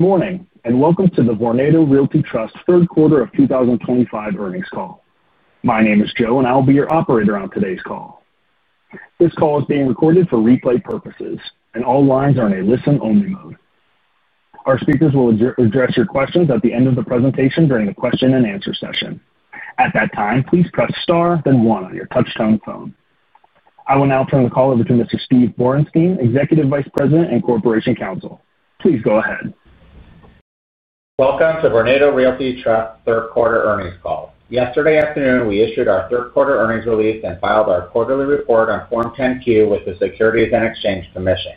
Good morning and welcome to the Vornado Realty Trust third quarter of 2025 earnings call. My name is Joe, and I'll be your operator on today's call. This call is being recorded for replay purposes, and all lines are in a listen-only mode. Our speakers will address your questions at the end of the presentation during the question-and-answer session. At that time, please press star then one on your touch-tone phone. I will now turn the call over to Mr. Steven Borenstein, Executive Vice President and Corporate Counsel. Please go ahead. Welcome to Vornado Realty Trust third quarter earnings call. Yesterday afternoon, we issued our third quarter earnings release and filed our quarterly report on Form 10Q with the Securities and Exchange Commission.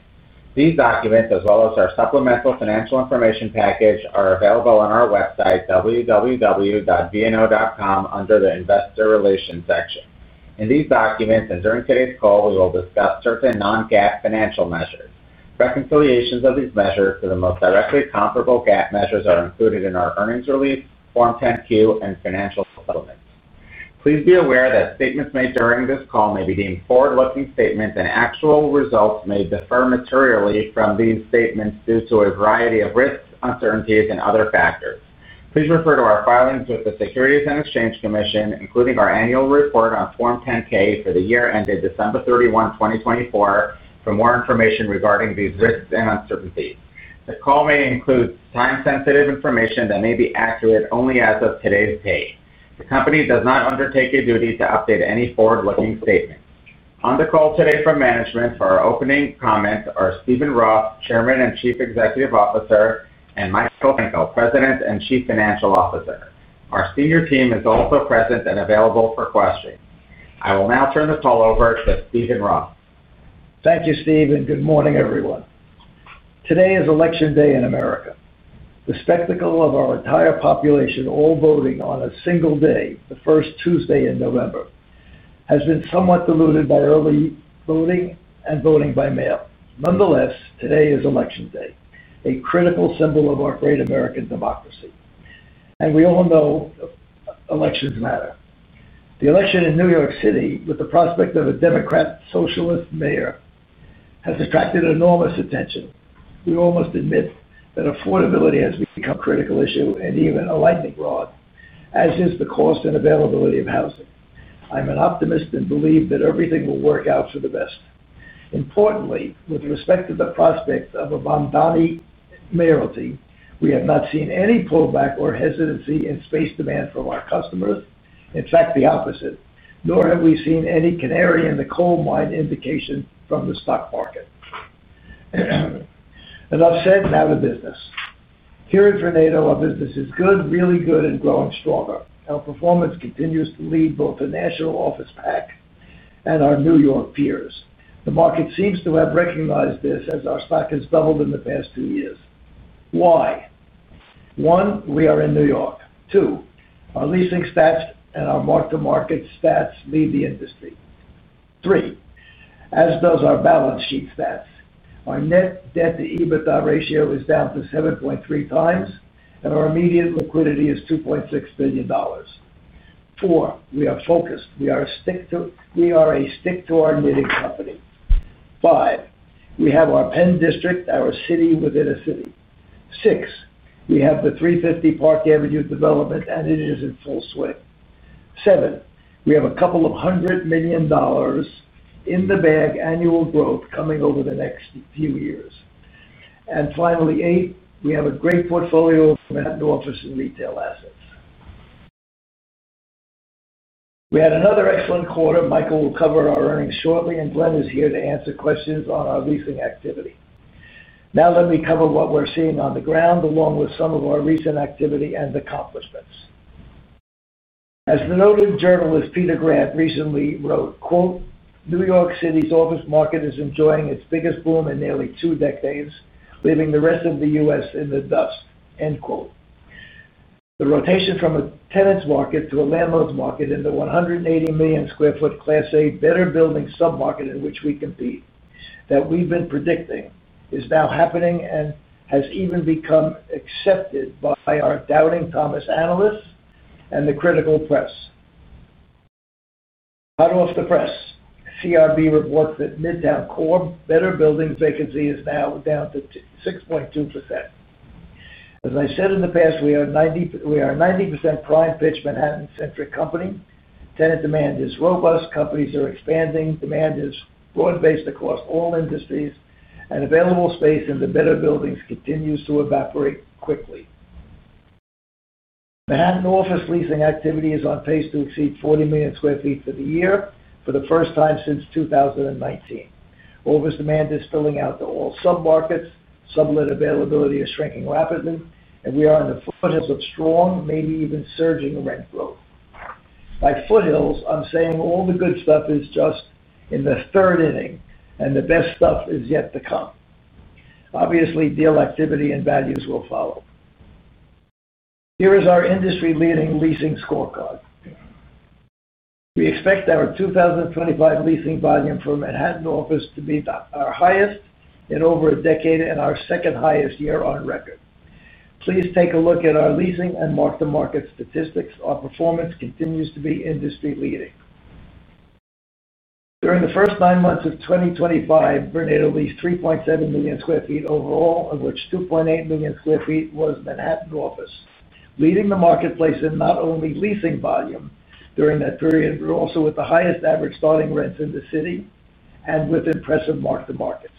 These documents, as well as our supplemental financial information package, are available on our website, www.vno.com, under the investor relations section. In these documents and during today's call, we will discuss certain non-GAAP financial measures. Reconciliations of these measures to the most directly comparable GAAP measures are included in our earnings release, Form 10Q, and financial supplement. Please be aware that statements made during this call may be deemed forward-looking statements, and actual results may differ materially from these statements due to a variety of risks, uncertainties, and other factors. Please refer to our filings with the Securities and Exchange Commission, including our annual report on Form 10K for the year ended December 31, 2024, for more information regarding these risks and uncertainties. The call may include time-sensitive information that may be accurate only as of today's date. The company does not undertake a duty to update any forward-looking statements. On the call today from management for our opening comments are Steven Roth, Chairman and Chief Executive Officer, and Michael Franco, President and Chief Financial Officer. Our senior team is also present and available for questions. I will now turn the call over to Steven Roth. Thank you, Steve, and good morning, everyone. Today is Election Day in America. The spectacle of our entire population all voting on a single day, the first Tuesday in November, has been somewhat diluted by early voting and voting by mail. Nonetheless, today is Election Day, a critical symbol of our great American democracy. And we all know. Elections matter. The election in New York City, with the prospect of a Democrat-Socialist mayor, has attracted enormous attention. We almost admit that affordability has become a critical issue and even a lightning rod, as is the cost and availability of housing. I'm an optimist and believe that everything will work out for the best. Importantly, with respect to the prospects of an Adams Mayoralty, we have not seen any pullback or hesitancy in space demand from our customers. In fact, the opposite. Nor have we seen any canary in the coal mine indication from the stock market. Enough said, now to business. Here at Vornado, our business is good, really good, and growing stronger. Our performance continues to lead both the national office pack and our New York peers. The market seems to have recognized this as our stock has doubled in the past two years. Why? One, we are in New York. Two, our leasing stats and our mark-to-market stats lead the industry. Three, as does our balance sheet stats. Our net debt-to-EBITDA ratio is down to 7.3 times, and our immediate liquidity is $2.6 billion. Four, we are focused. We are a stick-to-our-knitting company. Five, we have our Penn District, our city within a city. Six, we have the 350 Park Avenue development, and it is in full swing. Seven, we have a couple of hundred million dollars in the bag annual growth coming over the next few years. And finally, eight, we have a great portfolio of Manhattan office and retail assets. We had another excellent quarter. Michael will cover our earnings shortly, and Glen is here to answer questions on our leasing activity. Now let me cover what we're seeing on the ground, along with some of our recent activity and accomplishments. As the noted journalist Peter Grant recently wrote, "New York City's office market is enjoying its biggest boom in nearly two decades, leaving the rest of the U.S. in the dust." The rotation from a tenants' market to a landlord's market in the 180 million sq ft Class A better building submarket in which we compete, that we've been predicting, is now happening and has even become accepted by our doubting Thomas analysts and the critical press. Out of the press, CBRE reports that Midtown core better building vacancy is now down to 6.2%. As I said in the past, we are a 90% prime space Manhattan-centric company. Tenant demand is robust. Companies are expanding. Demand is broad-based across all industries, and available space in the better buildings continues to evaporate quickly. Manhattan office leasing activity is on pace to exceed 40 million sq ft for the year, for the first time since 2019. Office demand is filling out to all submarkets. Sublet availability is shrinking rapidly, and we are in the foothills of strong, maybe even surging rent growth. By foothills, I'm saying all the good stuff is just in the third inning, and the best stuff is yet to come. Obviously, deal activity and values will follow. Here is our industry-leading leasing scorecard. We expect our 2025 leasing volume for Manhattan office to be our highest in over a decade and our second highest year on record. Please take a look at our leasing and mark-to-market statistics. Our performance continues to be industry-leading. During the first nine months of 2025, Vornado leased 3.7 million sq ft overall, of which 2.8 million sq ft was Manhattan office. Leading the marketplace in not only leasing volume during that period, we're also with the highest average starting rents in the city and with impressive mark-to-market.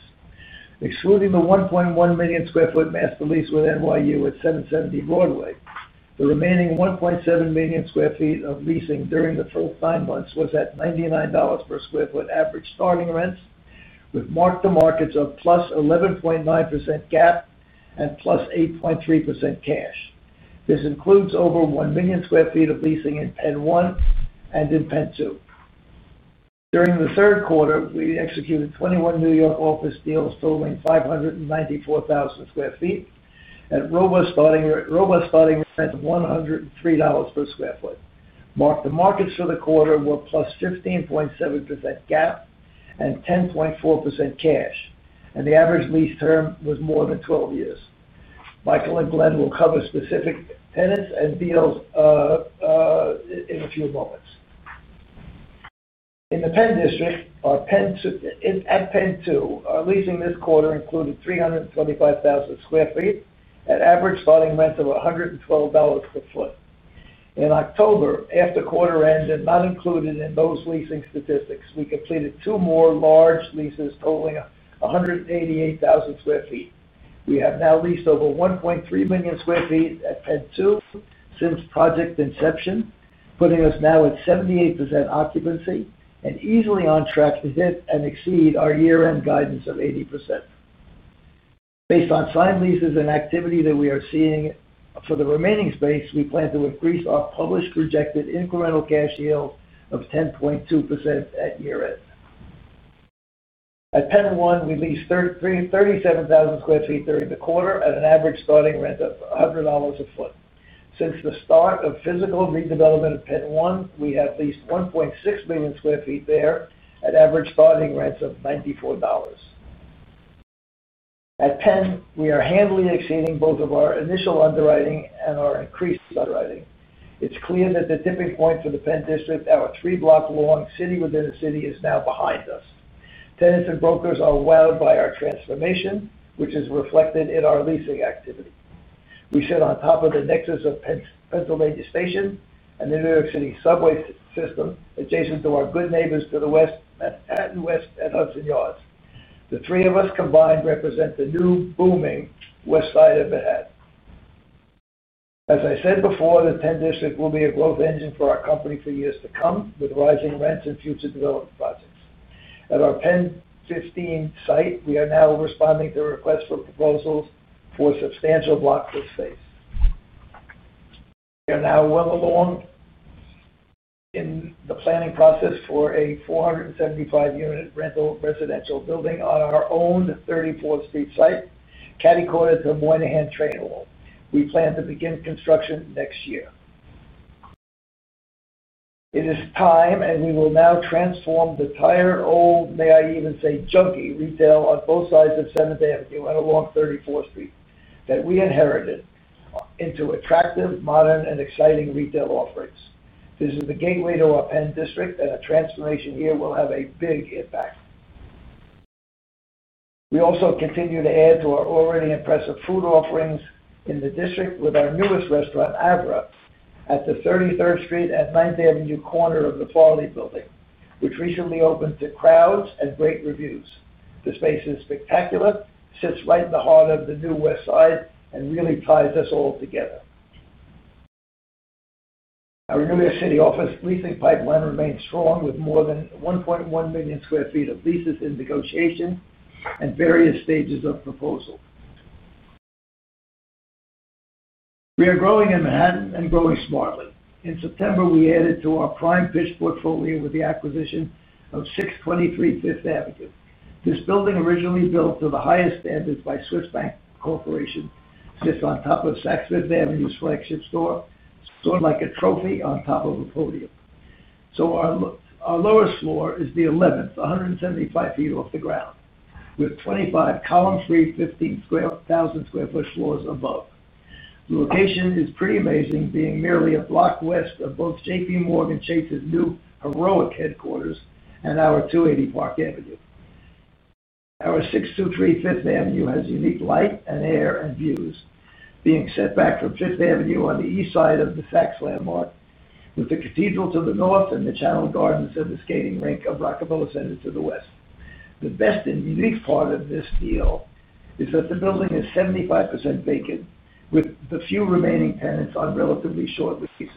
Excluding the 1.1 million sq ft master lease with NYU at 770 Broadway, the remaining 1.7 million sq ft of leasing during the first nine months was at $99 per sq ft average starting rents, with mark-to-market of +11.9% GAAP and +8.3% cash. This includes over 1 million sq ft of leasing in Penn 1 and in Penn 2. During the third quarter, we executed 21 New York office deals totaling 594,000 sq ft at robust starting rents of $103 per sq ft. Mark-to-market for the quarter were +15.7% GAAP and +10.4% cash, and the average lease term was more than 12 years. Michael and Glen will cover specific tenants and deals in a few moments. In the Penn District, at Penn 2, our leasing this quarter included 325,000 sq ft at average starting rents of $112 per sq ft. In October, after quarter-end, and not included in those leasing statistics, we completed two more large leases totaling 188,000 sq ft. We have now leased over 1.3 million sq ft at Penn 2 since project inception, putting us now at 78% occupancy and easily on track to hit and exceed our year-end guidance of 80%. Based on signed leases and activity that we are seeing for the remaining space, we plan to increase our published projected incremental cash yield of 10.2% at year-end. At Penn 1, we leased 37,000 sq ft during the quarter at an average starting rent of $100 a sq ft. Since the start of physical redevelopment at Penn 1, we have leased 1.6 million sq ft there at average starting rents of $94. At Penn, we are handily exceeding both of our initial underwriting and our increased underwriting. It's clear that the tipping point for the Penn District, our three-block long city within a city, is now behind us. Tenants and brokers are wowed by our transformation, which is reflected in our leasing activity. We sit on top of the nexus of Pennsylvania Station and the New York City subway system, adjacent to our good neighbors to the west, Manhattan West at Hudson Yards. The three of us combined represent the new booming west side of Manhattan. As I said before, the Penn District will be a growth engine for our company for years to come, with rising rents and future development projects. At our Penn 15 site, we are now responding to requests for proposals for substantial block-foot space. We are now well along in the planning process for a 475-unit rental residential building on our own 34th Street site, catty-cornered to Moynihan Train Hall. We plan to begin construction next year. It is time, and we will now transform the tired, old, may I even say, junkie retail on both sides of 7th Avenue and along 34th Street that we inherited into attractive, modern, and exciting retail offerings. This is the gateway to our Penn District, and a transformation here will have a big impact. We also continue to add to our already impressive food offerings in the district with our newest restaurant, Avra, at the 33rd Street and 9th Avenue corner of the Farley Building, which recently opened to crowds and great reviews. The space is spectacular, sits right in the heart of the new west side, and really ties us all together. Our New York City office leasing pipeline remains strong, with more than 1.1 million sq ft of leases in negotiation and various stages of proposal. We are growing in Manhattan and growing smartly. In September, we added to our prime pitch portfolio with the acquisition of 623 Fifth Avenue. This building, originally built to the highest standards by Swiss Bank Corporation, sits on top of Saks Fifth Avenue's flagship store, sort of like a trophy on top of a podium. So our lowest floor is the 11th, 175 ft off the ground, with 25 column-free, 15,000 sq ft floors above. The location is pretty amazing, being merely a block west of both J.P. Morgan Chase's new heroic headquarters and our 280 Park Avenue. Our 623 Fifth Avenue has unique light and air and views, being set back from 5th Avenue on the east side of the Saks landmark, with the cathedral to the north and the channel gardens and the skating rink of Rockefeller Center to the west. The best and unique part of this deal is that the building is 75% vacant, with the few remaining tenants on relatively short leases.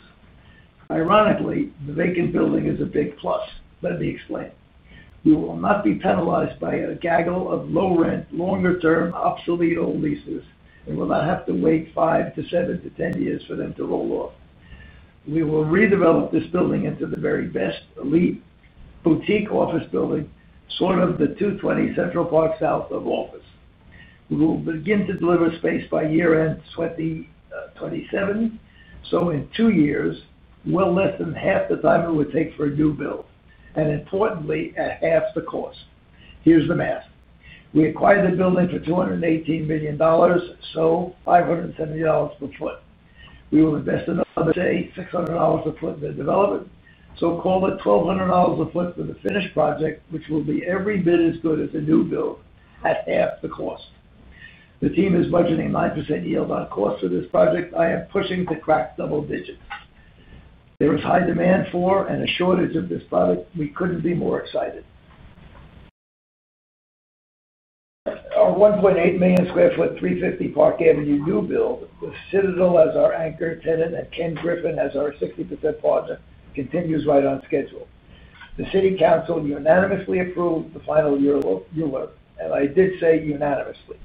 Ironically, the vacant building is a big plus. Let me explain. We will not be penalized by a gaggle of low-rent, longer-term, obsolete old leases and will not have to wait 5 to 7 to 10 years for them to roll off. We will redevelop this building into the very best, elite boutique office building, sort of the 220 Central Park South of office. We will begin to deliver space by year-end 2027, so in two years, well less than half the time it would take for a new build, and importantly, at half the cost. Here's the math. We acquired the building for $218 million, so $570 per sq ft. We will invest another, say, $600 a sq ft in the development, so call it $1,200 a sq ft for the finished project, which will be every bit as good as a new build at half the cost. The team is budgeting 9% yield on cost for this project. I am pushing to crack double digits. There is high demand for and a shortage of this product. We couldn't be more excited. Our 1.8 million sq ft 350 Park Avenue new build, with Citadel as our anchor tenant and Ken Griffin as our 60% partner, continues right on schedule. The city council unanimously approved the final year-end, and I did say unanimously.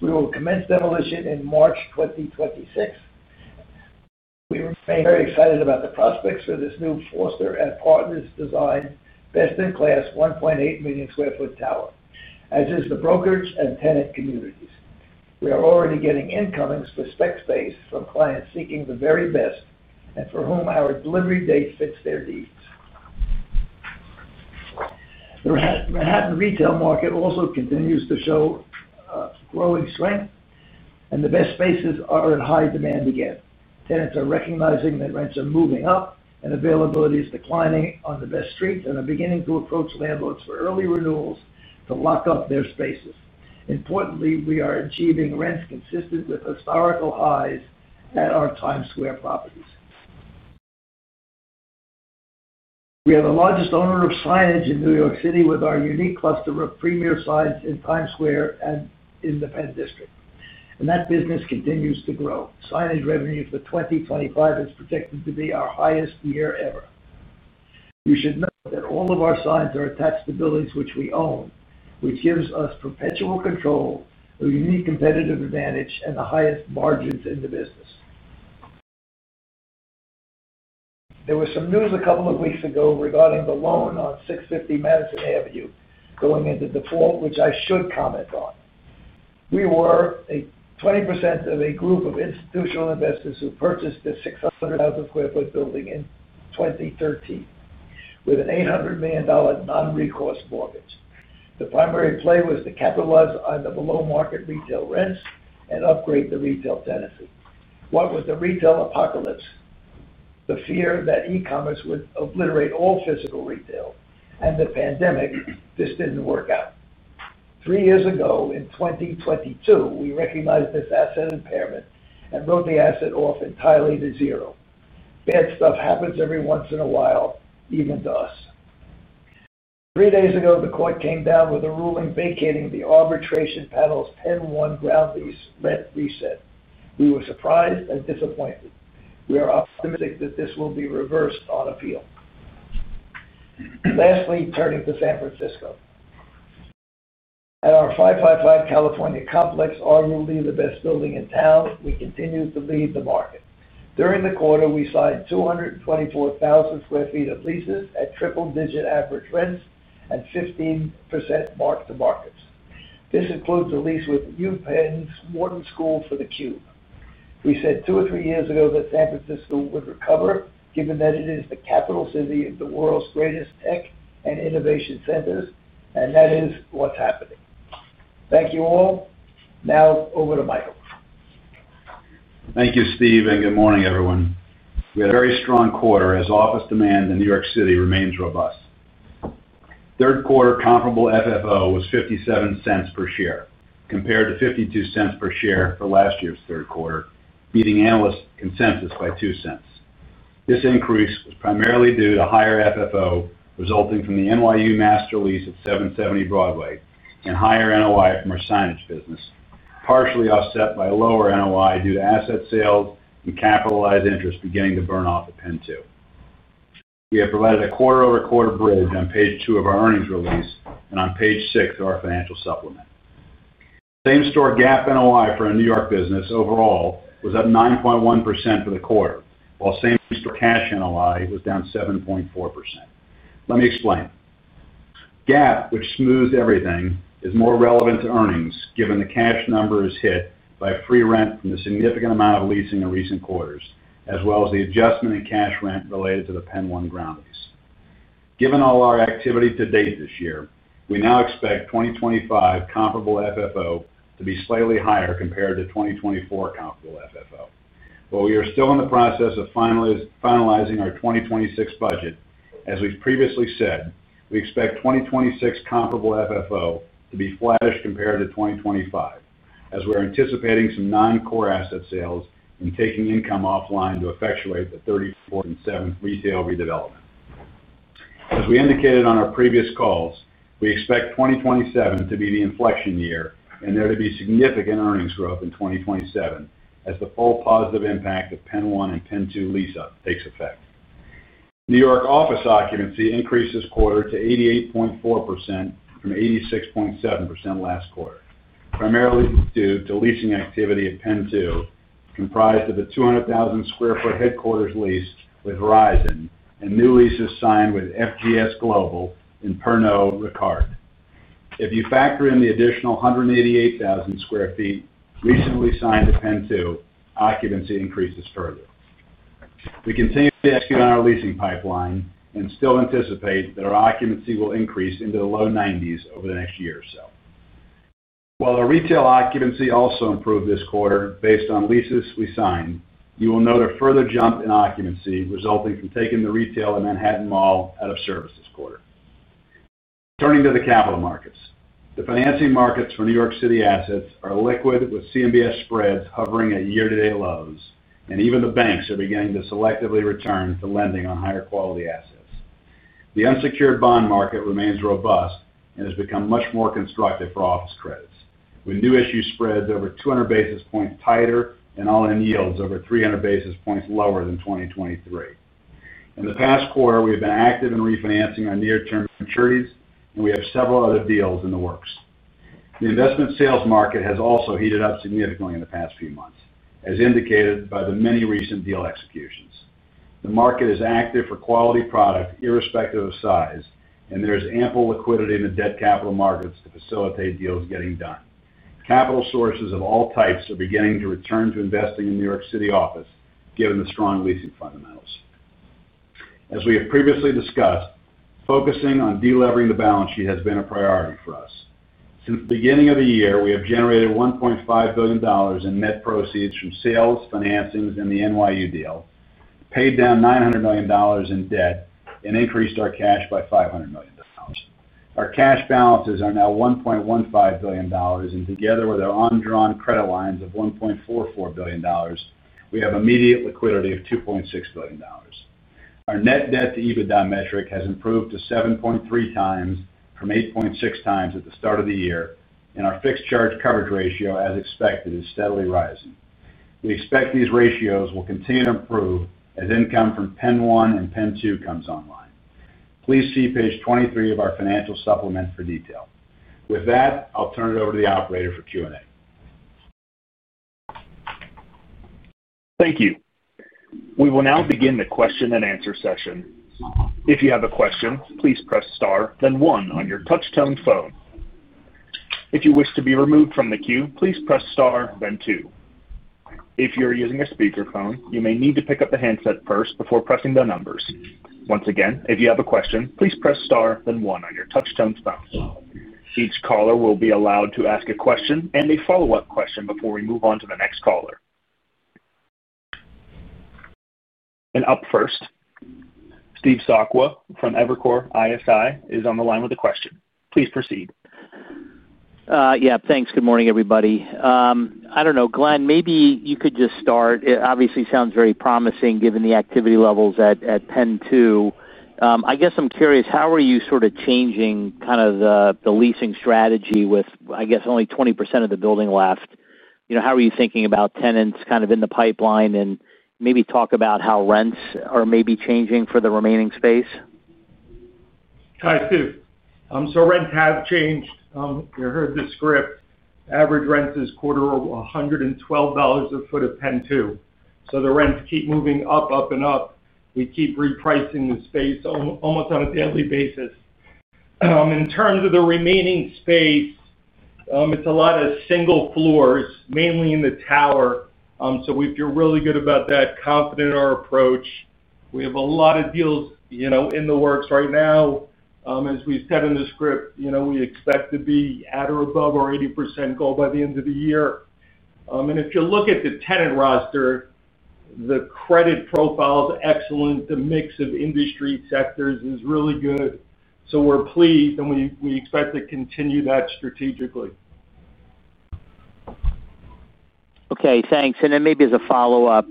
We will commence demolition in March 2026. We remain very excited about the prospects for this new Foster and Partners designed best-in-class 1.8 million sq ft tower, as is the brokerage and tenant communities. We are already getting incomings for spec space from clients seeking the very best and for whom our delivery date fits their needs. The Manhattan retail market also continues to show growing strength, and the best spaces are in high demand again. Tenants are recognizing that rents are moving up and availability is declining on the best streets and are beginning to approach landlords for early renewals to lock up their spaces. Importantly, we are achieving rents consistent with historical highs at our Times Square properties. We are the largest owner of signage in New York City with our unique cluster of premier signs in Times Square and in the Penn District, and that business continues to grow. Signage revenue for 2025 is projected to be our highest year ever. You should note that all of our signs are attached to buildings which we own, which gives us perpetual control, a unique competitive advantage, and the highest margins in the business. There was some news a couple of weeks ago regarding the loan on 650 Madison Avenue going into default, which I should comment on. We were 20% of a group of institutional investors who purchased a 600,000 sq ft building in 2013 with an $800 million non-recourse mortgage. The primary play was to capitalize on the below-market retail rents and upgrade the retail tenancy. What was the retail apocalypse? The fear that e-commerce would obliterate all physical retail and the pandemic. This didn't work out. Three years ago, in 2022, we recognized this asset impairment and wrote the asset off entirely to zero. Bad stuff happens every once in a while, even to us. Three days ago, the court came down with a ruling vacating the arbitration panel's Penn 1 ground lease rent reset. We were surprised and disappointed. We are optimistic that this will be reversed on appeal. Lastly, turning to San Francisco. At our 555 California Street complex, arguably the best building in town, we continue to lead the market. During the quarter, we signed 224,000 sq ft of leases at triple-digit average rents and 15% mark-to-market. This includes a lease with UPenn's Wharton School for the Cube. We said two or three years ago that San Francisco would recover, given that it is the capital city of the world's greatest tech and innovation centers, and that is what's happening. Thank you all. Now, over to Michael. Thank you, Steve, and good morning, everyone. We had a very strong quarter as office demand in New York City remains robust. Third-quarter comparable FFO was $0.57 per share, compared to $0.52 per share for last year's third quarter, beating analyst consensus by $0.02. This increase was primarily due to higher FFO resulting from the NYU master lease at 770 Broadway and higher NOI from our signage business, partially offset by lower NOI due to asset sales and capitalized interest beginning to burn off at Penn 2. We have provided a quarter-over-quarter bridge on page two of our earnings release and on page six of our financial supplement. Same-store GAAP NOI for a New York business overall was up 9.1% for the quarter, while same-store cash NOI was down 7.4%. Let me explain. GAAP, which smooths everything, is more relevant to earnings given the cash number is hit by free rent from the significant amount of leasing in recent quarters, as well as the adjustment in cash rent related to the Penn 1 ground lease. Given all our activity to date this year, we now expect 2025 comparable FFO to be slightly higher compared to 2024 comparable FFO. While we are still in the process of finalizing our 2026 budget, as we've previously said, we expect 2026 comparable FFO to be flattish compared to 2025, as we're anticipating some non-core asset sales and taking income offline to effectuate the 34th and 7th retail redevelopment. As we indicated on our previous calls, we expect 2027 to be the inflection year and there to be significant earnings growth in 2027 as the full positive impact of Penn 1 and Penn 2 lease takes effect. New York office occupancy increased this quarter to 88.4% from 86.7% last quarter, primarily due to leasing activity at Penn 2, comprised of a 200,000 sq ft headquarters lease with Verizon and new leases signed with FGS Global and Pernod Ricard. If you factor in the additional 188,000 sq ft recently signed at Penn 2, occupancy increases further. We continue to execute on our leasing pipeline and still anticipate that our occupancy will increase into the low 90s over the next year or so. While our retail occupancy also improved this quarter based on leases we signed, you will note a further jump in occupancy resulting from taking the retail at Manhattan Mall out of service this quarter. Turning to the capital markets, the financing markets for New York City assets are liquid, with CMBS spreads hovering at year-to-date lows, and even the banks are beginning to selectively return to lending on higher quality assets. The unsecured bond market remains robust and has become much more constructive for office credits, with new issue spreads over 200 basis points tighter and all-in yields over 300 basis points lower than 2023. In the past quarter, we have been active in refinancing our near-term maturities, and we have several other deals in the works. The investment sales market has also heated up significantly in the past few months, as indicated by the many recent deal executions. The market is active for quality product, irrespective of size, and there is ample liquidity in the debt capital markets to facilitate deals getting done. Capital sources of all types are beginning to return to investing in New York City office, given the strong leasing fundamentals. As we have previously discussed, focusing on delivering the balance sheet has been a priority for us. Since the beginning of the year, we have generated $1.5 billion in net proceeds from sales, financings, and the NYU deal, paid down $900 million in debt, and increased our cash by $500 million. Our cash balances are now $1.15 billion, and together with our undrawn credit lines of $1.44 billion, we have immediate liquidity of $2.6 billion. Our net debt-to-EBITDA metric has improved to 7.3 times from 8.6 times at the start of the year, and our fixed charge coverage ratio, as expected, is steadily rising. We expect these ratios will continue to improve as income from Penn 1 and Penn 2 comes online. Please see page 23 of our financial supplement for detail. With that, I'll turn it over to the operator for Q&A. Thank you. We will now begin the question-and-answer session. If you have a question, please press star, then one on your touch-tone phone. If you wish to be removed from the queue, please press star, then two. If you're using a speakerphone, you may need to pick up the handset first before pressing the numbers. Once again, if you have a question, please press star, then one on your touch-tone phone. Each caller will be allowed to ask a question and a follow-up question before we move on to the next caller. And up first. Steve Sakwa from Evercore ISI is on the line with a question. Please proceed. Yeah. Thanks. Good morning, everybody. I don't know, Glen, maybe you could just start. It obviously sounds very promising given the activity levels at Penn 2. I guess I'm curious, how are you sort of changing kind of the leasing strategy with, I guess, only 20% of the building left? How are you thinking about tenants kind of in the pipeline and maybe talk about how rents are maybe changing for the remaining space? Hi, Steve. So rents have changed. You heard the script. Average rent is quarter of $112/sq ft at Penn 2. So the rents keep moving up, up, and up. We keep repricing the space almost on a daily basis. In terms of the remaining space. It's a lot of single floors, mainly in the tower. So if you're really good about that, confident in our approach. We have a lot of deals in the works right now. As we said in the script, we expect to be at or above our 80% goal by the end of the year. And if you look at the tenant roster. The credit profile is excellent. The mix of industry sectors is really good. So we're pleased, and we expect to continue that strategically. Okay. Thanks. And then maybe as a follow-up,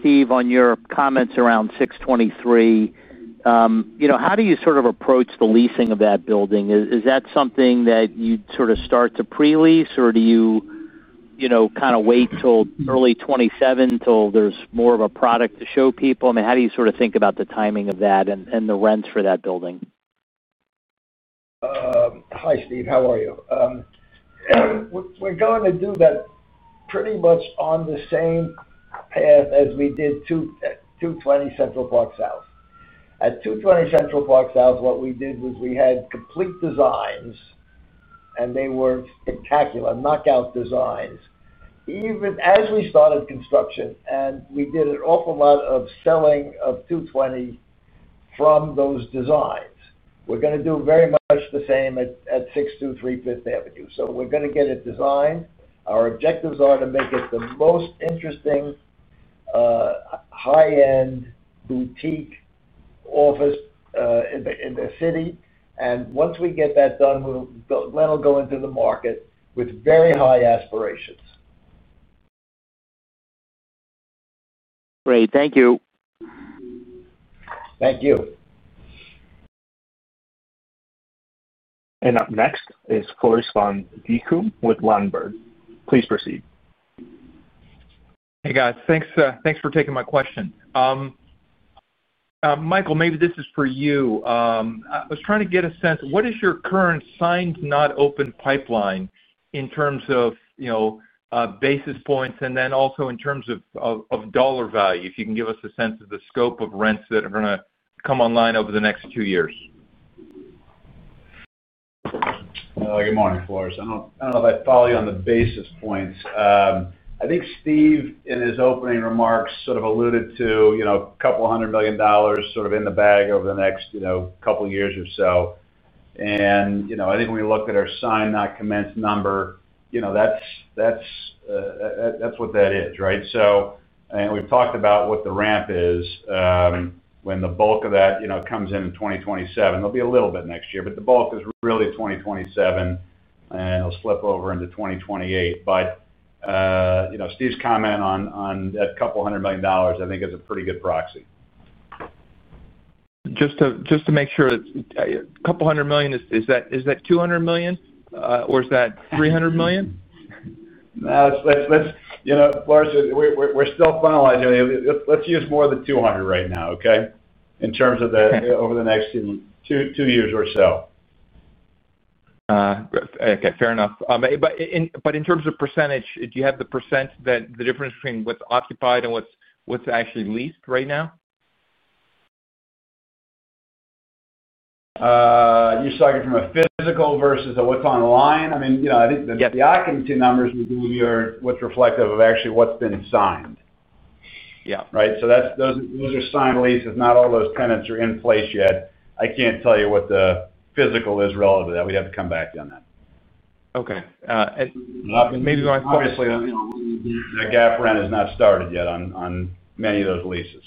Steve, on your comments around 623. How do you sort of approach the leasing of that building? Is that something that you'd sort of start to pre-lease, or do you. Kind of wait till early 2027 until there's more of a product to show people? I mean, how do you sort of think about the timing of that and the rents for that building? Hi, Steve. How are you? We're going to do that pretty much on the same path as we did 220 Central Park South. At 220 Central Park South, what we did was we had complete designs. And they were spectacular, knockout designs. Even as we started construction, and we did an awful lot of selling of 220 from those designs. We're going to do very much the same at 623 Fifth Avenue. So we're going to get it designed. Our objectives are to make it the most interesting high-end boutique office in the city. And once we get that done, then we'll go into the market with very high aspirations. Great. Thank you. Thank you. And up next is Florestan Dekum with Lundberg. Please proceed. Hey, guys. Thanks for taking my question. Michael, maybe this is for you. I was trying to get a sense, what is your current signed-not-open pipeline in terms of basis points and then also in terms of dollar value? If you can give us a sense of the scope of rents that are going to come online over the next two years. Good morning, Florestan. I don't know if I follow you on the basis points. I think Steve in his opening remarks sort of alluded to $200 million sort of in the bag over the next couple of years or so. And I think when we looked at our signed-not-commence number. That's what that is, right? And we've talked about what the ramp is. When the bulk of that comes in in 2027. There'll be a little bit next year, but the bulk is really 2027. And it'll slip over into 2028. But Steve's comment on that $200 million, I think, is a pretty good proxy. Just to make sure, a couple of hundred million, is that $200 million, or is that $300 million? Florestan, we're still finalizing. Let's use more than $200 million right now, okay, in terms of that over the next two years or so. Okay. Fair enough. But in terms of percentage, do you have the %, the difference between what's occupied and what's actually leased right now? You're talking from a physical versus what's online? I mean, I think the occupancy numbers would be what's reflective of actually what's been signed. Right? So those are signed leases. Not all those tenants are in place yet. I can't tell you what the physical is relative to that. We'd have to come back on that. Okay. And maybe going forward. Obviously. The GAAP rent has not started yet on many of those leases.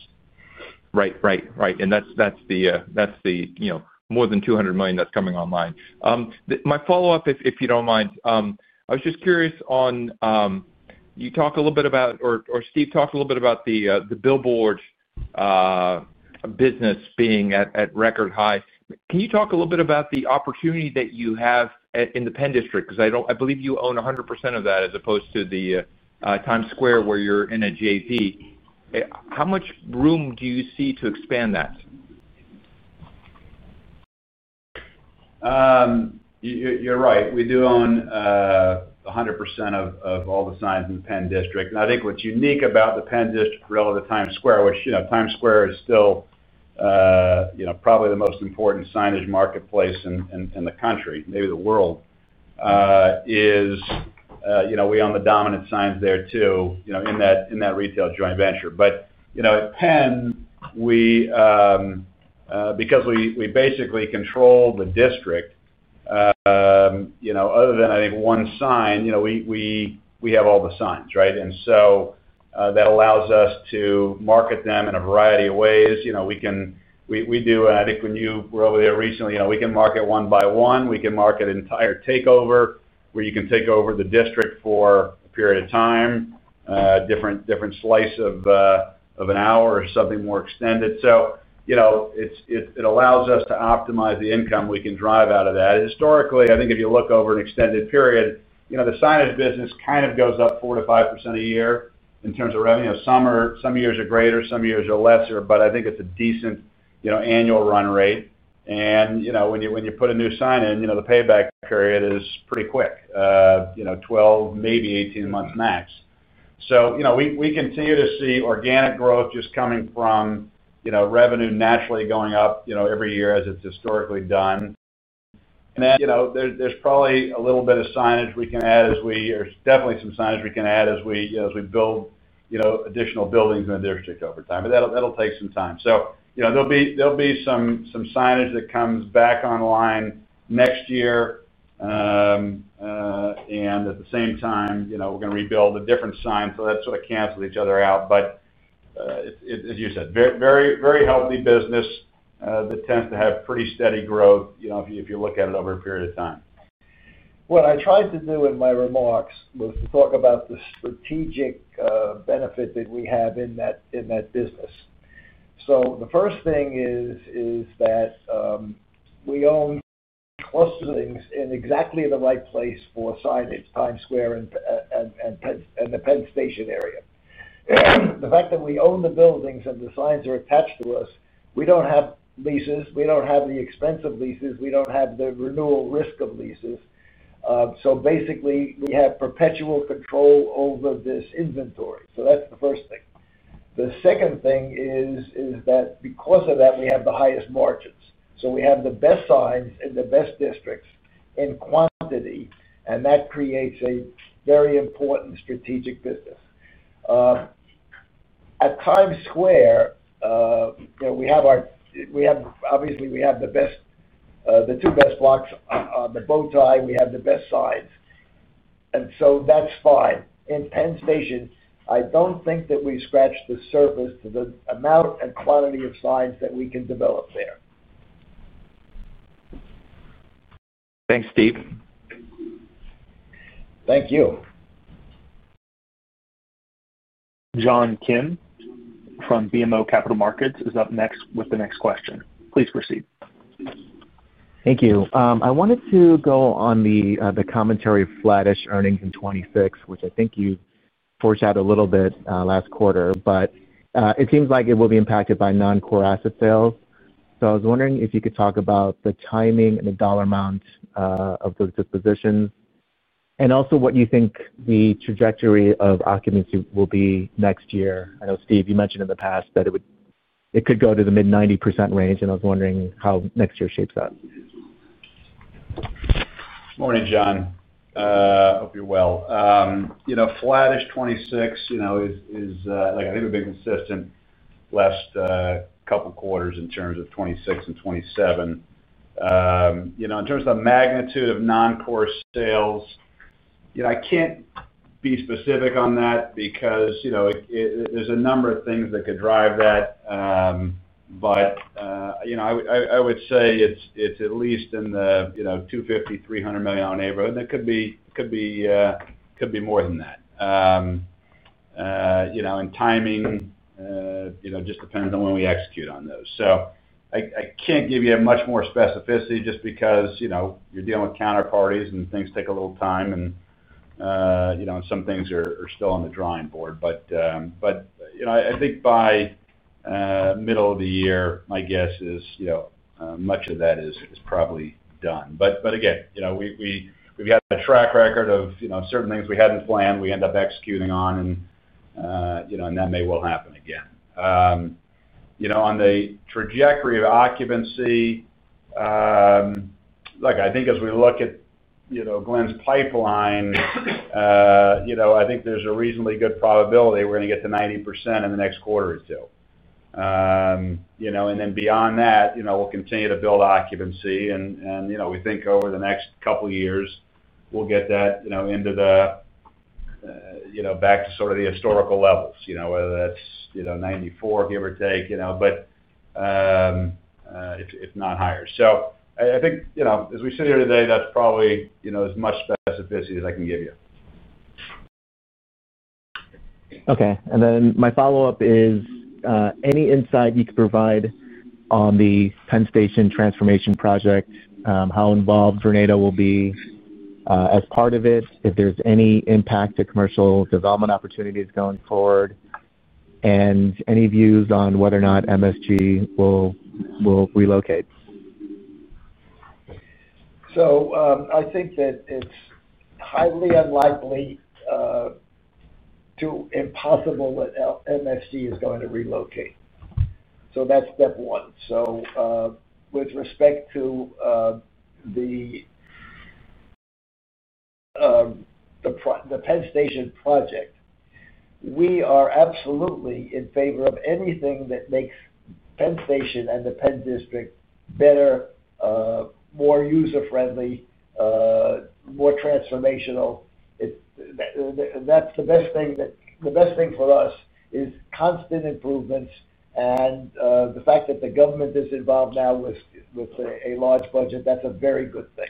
Right. Right. Right. And that's the more than $200 million that's coming online. My follow-up, if you don't mind, I was just curious on. You talk a little bit about, or Steve talked a little bit about the billboard business being at record high. Can you talk a little bit about the opportunity that you have in the Penn District? Because I believe you own 100% of that as opposed to the Times Square where you're in a JV. How much room do you see to expand that? You're right. We do own 100% of all the signs in the Penn District. And I think what's unique about the Penn District relative to Times Square, which Times Square is still probably the most important signage marketplace in the country, maybe the world. Is we own the dominant signs there too in that retail joint venture. But at Penn. Because we basically control the district. Other than, I think, one sign, we have all the signs, right? And so that allows us to market them in a variety of ways. We do, and I think when you were over there recently, we can market one by one. We can market entire takeover, where you can take over the district for a period of time, a different slice of an hour or something more extended. So it allows us to optimize the income we can drive out of that. Historically, I think if you look over an extended period, the signage business kind of goes up 4% to 5% a year in terms of revenue. Some years are greater, some years are lesser, but I think it's a decent annual run rate. And when you put a new sign in, the payback period is pretty quick. 12, maybe 18 months max. So we continue to see organic growth just coming from revenue naturally going up every year as it's historically done. And then there's probably a little bit of signage we can add as we, there's definitely some signage we can add as we build additional buildings in the district over time. But that'll take some time. So there'll be some signage that comes back online next year. And at the same time, we're going to rebuild a different sign. So that sort of cancels each other out. But. As you said, very healthy business. That tends to have pretty steady growth if you look at it over a period of time. What I tried to do in my remarks was to talk about the strategic benefit that we have in that business. So the first thing is that. We own. Cluster things in exactly the right place for signage, Times Square and the Penn Station area. The fact that we own the buildings and the signs are attached to us, we don't have leases. We don't have the expense of leases. We don't have the renewal risk of leases. So basically, we have perpetual control over this inventory. So that's the first thing. The second thing is that because of that, we have the highest margins. So we have the best signs in the best districts in quantity, and that creates a very important strategic business. At Times Square. We have our, obviously, we have the. Two best blocks on the bow tie. We have the best signs. And so that's fine. In Penn Station, I don't think that we've scratched the surface to the amount and quantity of signs that we can develop there. Thanks, Steve. Thank you. John Kim. From BMO Capital Markets is up next with the next question. Please proceed. Thank you. I wanted to go on the commentary of Flattish earnings in 2026, which I think you foreshadowed a little bit last quarter. But it seems like it will be impacted by non-core asset sales. So I was wondering if you could talk about the timing and the dollar amount of those dispositions, and also what you think the trajectory of occupancy will be next year. I know, Steve, you mentioned in the past that it could go to the mid-90% range, and I was wondering how next year shapes up. Morning, John. I hope you're well. Flattish 2026 is. I think we've been consistent the last couple of quarters in terms of 2026 and 2027. In terms of the magnitude of non-core sales. I can't be specific on that because. There's a number of things that could drive that. But. I would say it's at least in the $250-$300 million neighborhood. And it could be. More than that. And timing. Just depends on when we execute on those. So I can't give you much more specificity just because you're dealing with counterparties and things take a little time, and. Some things are still on the drawing board. But. I think by. Middle of the year, my guess is. Much of that is probably done. But again. We've got a track record of certain things we hadn't planned, we end up executing on, and. That may well happen again. On the trajectory of occupancy. Look, I think as we look at Glen's pipeline. I think there's a reasonably good probability we're going to get to 90% in the next quarter or two. And then beyond that, we'll continue to build occupancy. And we think over the next couple of years, we'll get that back to sort of the historical levels, whether that's '94, give or take, but if not higher. So I think as we sit here today, that's probably as much specificity as I can give you. Okay. And then my follow-up is any insight you could provide on the Penn Station transformation project, how involved Vornado will be as part of it, if there's any impact to commercial development opportunities going forward. And any views on whether or not MSG will relocate? So I think that it's highly unlikely to impossible that MSG is going to relocate. So that's step one. So with respect to the Penn Station project, we are absolutely in favor of anything that makes Penn Station and the Penn district better. More user-friendly. More transformational. That's the best thing for us, is constant improvements. And the fact that the government is involved now with a large budget, that's a very good thing.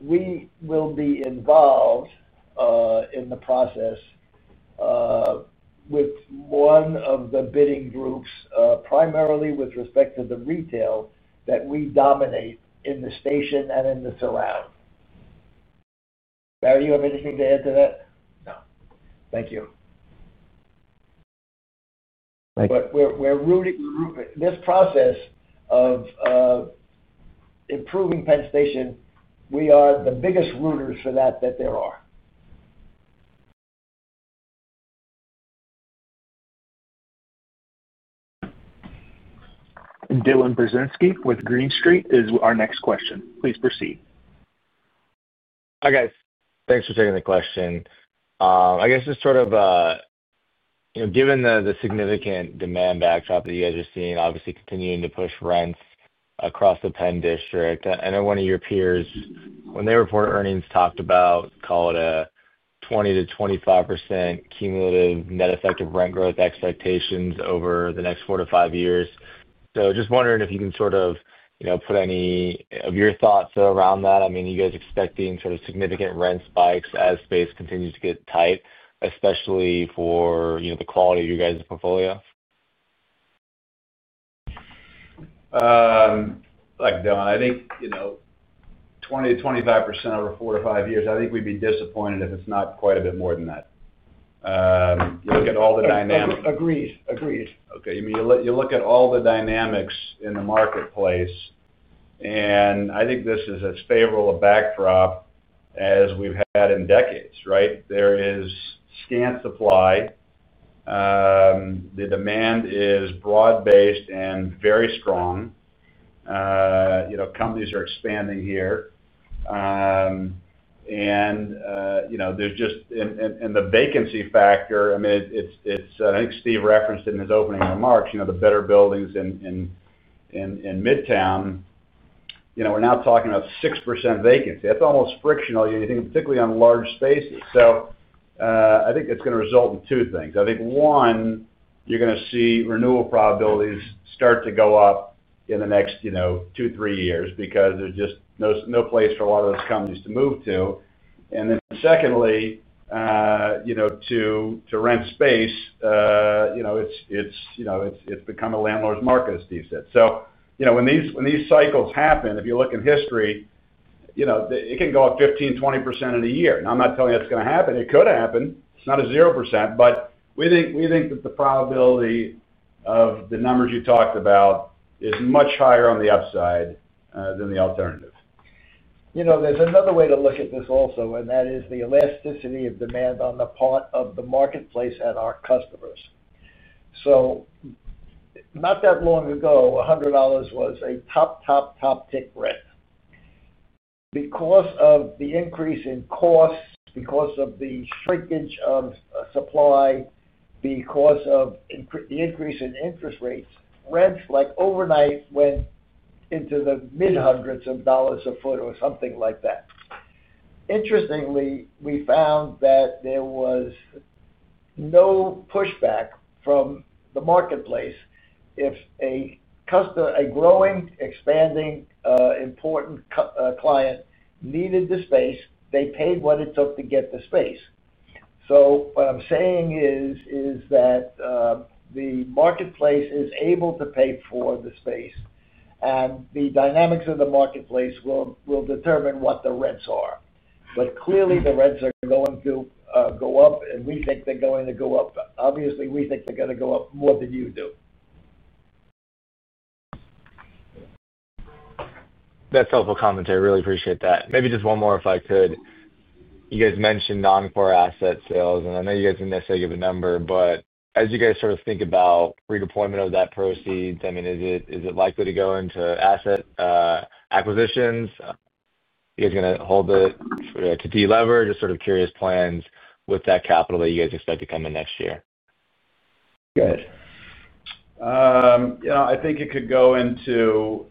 We will be involved in the process with one of the bidding groups, primarily with respect to the retail that we dominate in the station and in the surround. Barry, you have anything to add to that? No. Thank you. Thank you. This process of improving Penn Station, we are the biggest rooters for that that there are. Dylan Burzinski with Green Street is our next question. Please proceed. Hi, guys. Thanks for taking the question. I guess just sort of given the significant demand backdrop that you guys are seeing, obviously continuing to push rents across the Penn district, I know one of your peers, when they report earnings, talked about, call it a 20%-25% cumulative net effective rent growth expectations over the next four to five years. So just wondering if you can sort of put any of your thoughts around that. I mean, are you guys expecting sort of significant rent spikes as space continues to get tight, especially for the quality of your guys' portfolio? Look, Dylan, I think 20%-25% over four to five years, I think we'd be disappointed if it's not quite a bit more than that. You look at all the dynamics. Agreed. Agreed. Okay. I mean, you look at all the dynamics in the marketplace. And I think this is as favorable a backdrop as we've had in decades, right? There is scant supply. The demand is broad-based and very strong. Companies are expanding here. And there's just and the vacancy factor, I mean, I think Steve referenced it in his opening remarks, the better buildings in Midtown. We're now talking about 6% vacancy. That's almost frictional, you think, particularly on large spaces. So I think it's going to result in two things. I think, one, you're going to see renewal probabilities start to go up in the next two, three years because there's just no place for a lot of those companies to move to. And then secondly, to rent space. It's become a landlord's market, as Steve said. So when these cycles happen, if you look in history, it can go up 15%-20% in a year. Now, I'm not telling you that's going to happen. It could happen. It's not a 0%. But we think that the probability of the numbers you talked about is much higher on the upside than the alternative. There's another way to look at this also, and that is the elasticity of demand on the part of the marketplace and our customers. So. Not that long ago, $100 was a top, top, top tick rent. Because of the increase in costs, because of the shrinkage of supply. Because of the increase in interest rates, rents overnight went into the mid-hundreds of dollars a foot or something like that. Interestingly, we found that there was. No pushback from the marketplace. If a growing, expanding. Important client needed the space, they paid what it took to get the space. So what I'm saying is that. The marketplace is able to pay for the space. And the dynamics of the marketplace will determine what the rents are. But clearly, the rents are going to go up, and we think they're going to go up. Obviously, we think they're going to go up more than you do. That's helpful commentary. I really appreciate that. Maybe just one more, if I could. You guys mentioned non-core asset sales, and I know you guys didn't necessarily give a number, but as you guys sort of think about redeployment of that proceeds, I mean, is it likely to go into asset acquisitions? Are you guys going to hold it to de-lever? Just sort of curious plans with that capital that you guys expect to come in next year. Good. I think it could go into.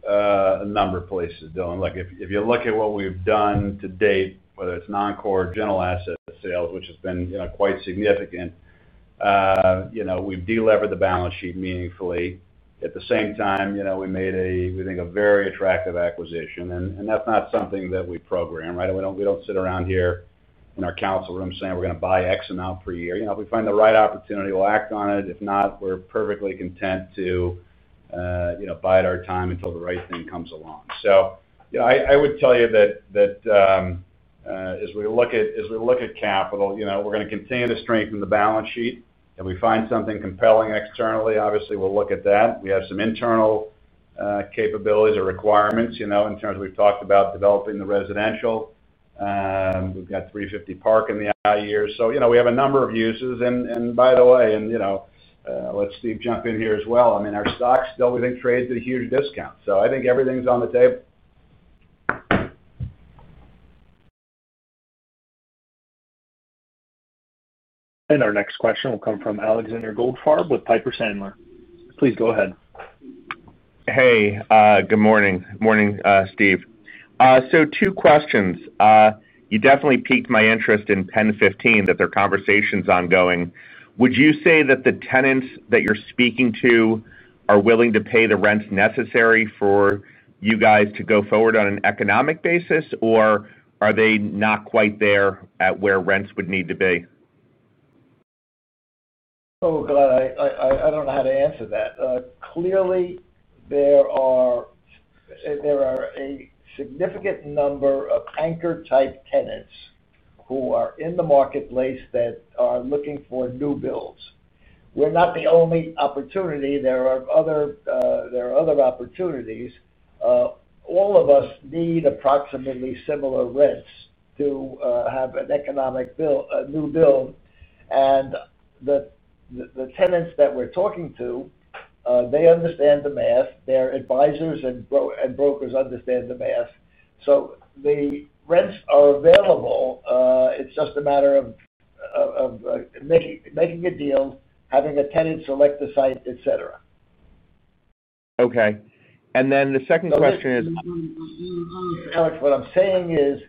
A number of places, Dylan. Look, if you look at what we've done to date, whether it's non-core, general asset sales, which has been quite significant. We've de-levered the balance sheet meaningfully. At the same time, we made a, we think, a very attractive acquisition. And that's not something that we program, right? We don't sit around here in our council room saying we're going to buy X amount per year. If we find the right opportunity, we'll act on it. If not, we're perfectly content to. Bide our time until the right thing comes along. So I would tell you that. As we look at capital, we're going to continue to strengthen the balance sheet. If we find something compelling externally, obviously, we'll look at that. We have some internal. Capabilities or requirements in terms of we've talked about developing the residential. We've got 350 Park in the alley here. So we have a number of uses. By the way, let Steve jump in here as well. I mean, our stock still, we think, trades at a huge discount. I think everything's on the table. Our next question will come from Alexander Goldfarb with Piper Sandler. Please go ahead. Hey. Good morning. Morning, Steve. So two questions. You definitely piqued my interest in Penn 15, that their conversation's ongoing. Would you say that the tenants that you're speaking to are willing to pay the rents necessary for you guys to go forward on an economic basis, or are they not quite there at where rents would need to be? Oh, God. I don't know how to answer that. Clearly, there are a significant number of anchor-type tenants who are in the marketplace that are looking for new builds. We're not the only opportunity. There are other opportunities. All of us need approximately similar rents to have an economic build, a new build. The tenants that we're talking to, they understand the math. Their advisors and brokers understand the math. So the rents are available. It's just a matter of making a deal, having a tenant select the site, etc. Okay. And then the second question is. Alex, what I'm saying is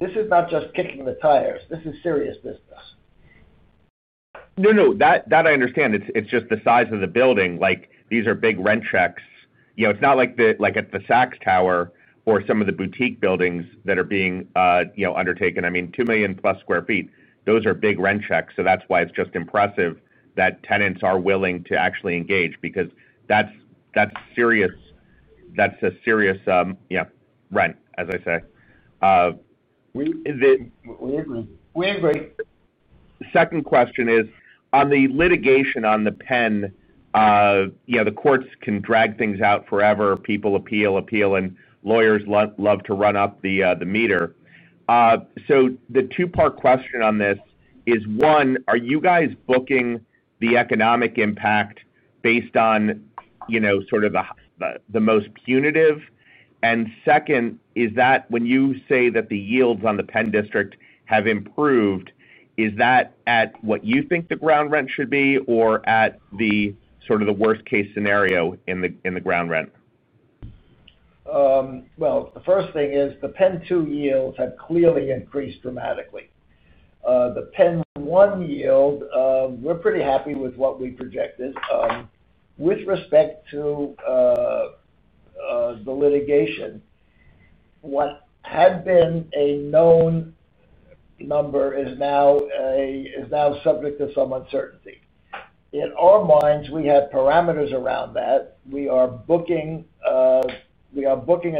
this is not just kicking the tires. This is serious business. No, no. That I understand. It's just the size of the building. These are big rent checks. It's not like at the Saks Tower or some of the boutique buildings that are being undertaken. I mean, 2 million-plus sq ft, those are big rent checks. So that's why it's just impressive that tenants are willing to actually engage because that's a serious rent, as I say. We agree. We agree. Second question is on the litigation on the Penn. The courts can drag things out forever. People appeal, appeal, and lawyers love to run up the meter. So the two-part question on this is, one, are you guys booking the economic impact based on sort of the most punitive? And second, is that when you say that the yields on the Penn district have improved, is that at what you think the ground rent should be or at sort of the worst-case scenario in the ground rent? Well, the first thing is the Penn 2 yields have clearly increased dramatically. The Penn 1 yield, we're pretty happy with what we projected. With respect to the litigation, what had been a known number is now subject to some uncertainty. In our minds, we have parameters around that. We are booking a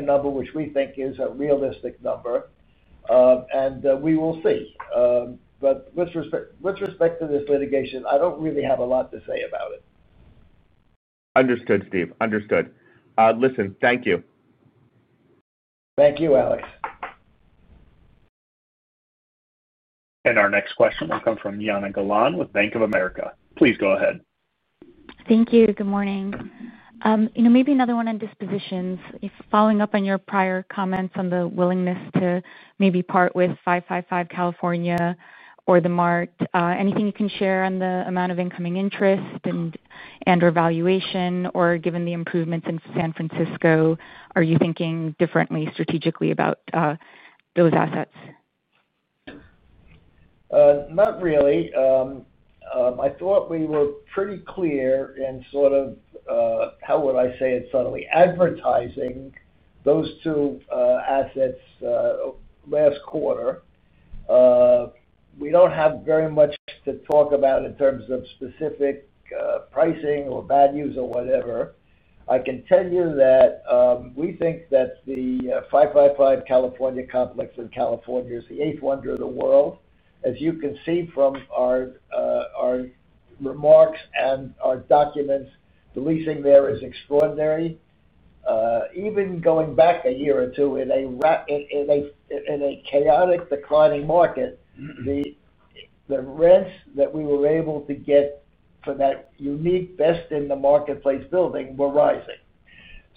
number which we think is a realistic number. And we will see. But with respect to this litigation, I don't really have a lot to say about it. Understood, Steve. Understood. Listen, thank you. Thank you, Alex. And our next question will come from Jana Galan with Bank of America. Please go ahead. Thank you. Good morning. Maybe another one on dispositions. Following up on your prior comments on the willingness to maybe part with 555 California or the Mart, anything you can share on the amount of incoming interest and/or valuation, or given the improvements in San Francisco, are you thinking differently strategically about those assets? Not really. I thought we were pretty clear in sort of, how would I say it subtly, advertising those two assets last quarter. We don't have very much to talk about in terms of specific pricing or values or whatever. I can tell you that we think that the 555 California complex in California is the eighth wonder of the world. As you can see from our remarks and our documents, the leasing there is extraordinary. Even going back a year or two, in a chaotic declining market, the rents that we were able to get for that unique best-in-the-marketplace building were rising.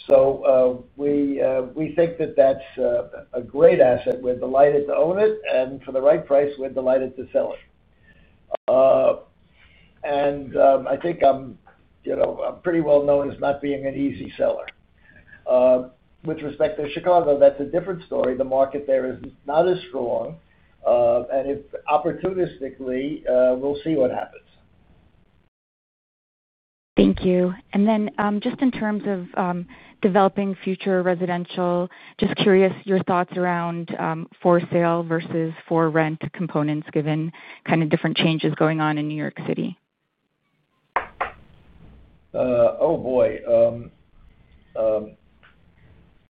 So we think that that's a great asset. We're delighted to own it. And for the right price, we're delighted to sell it. And I think I'm pretty well known as not being an easy seller. With respect to Chicago, that's a different story. The market there is not as strong. And opportunistically, we'll see what happens. Thank you. And then just in terms of developing future residential, just curious your thoughts around for-sale versus for-rent components given kind of different changes going on in New York City. Oh, boy.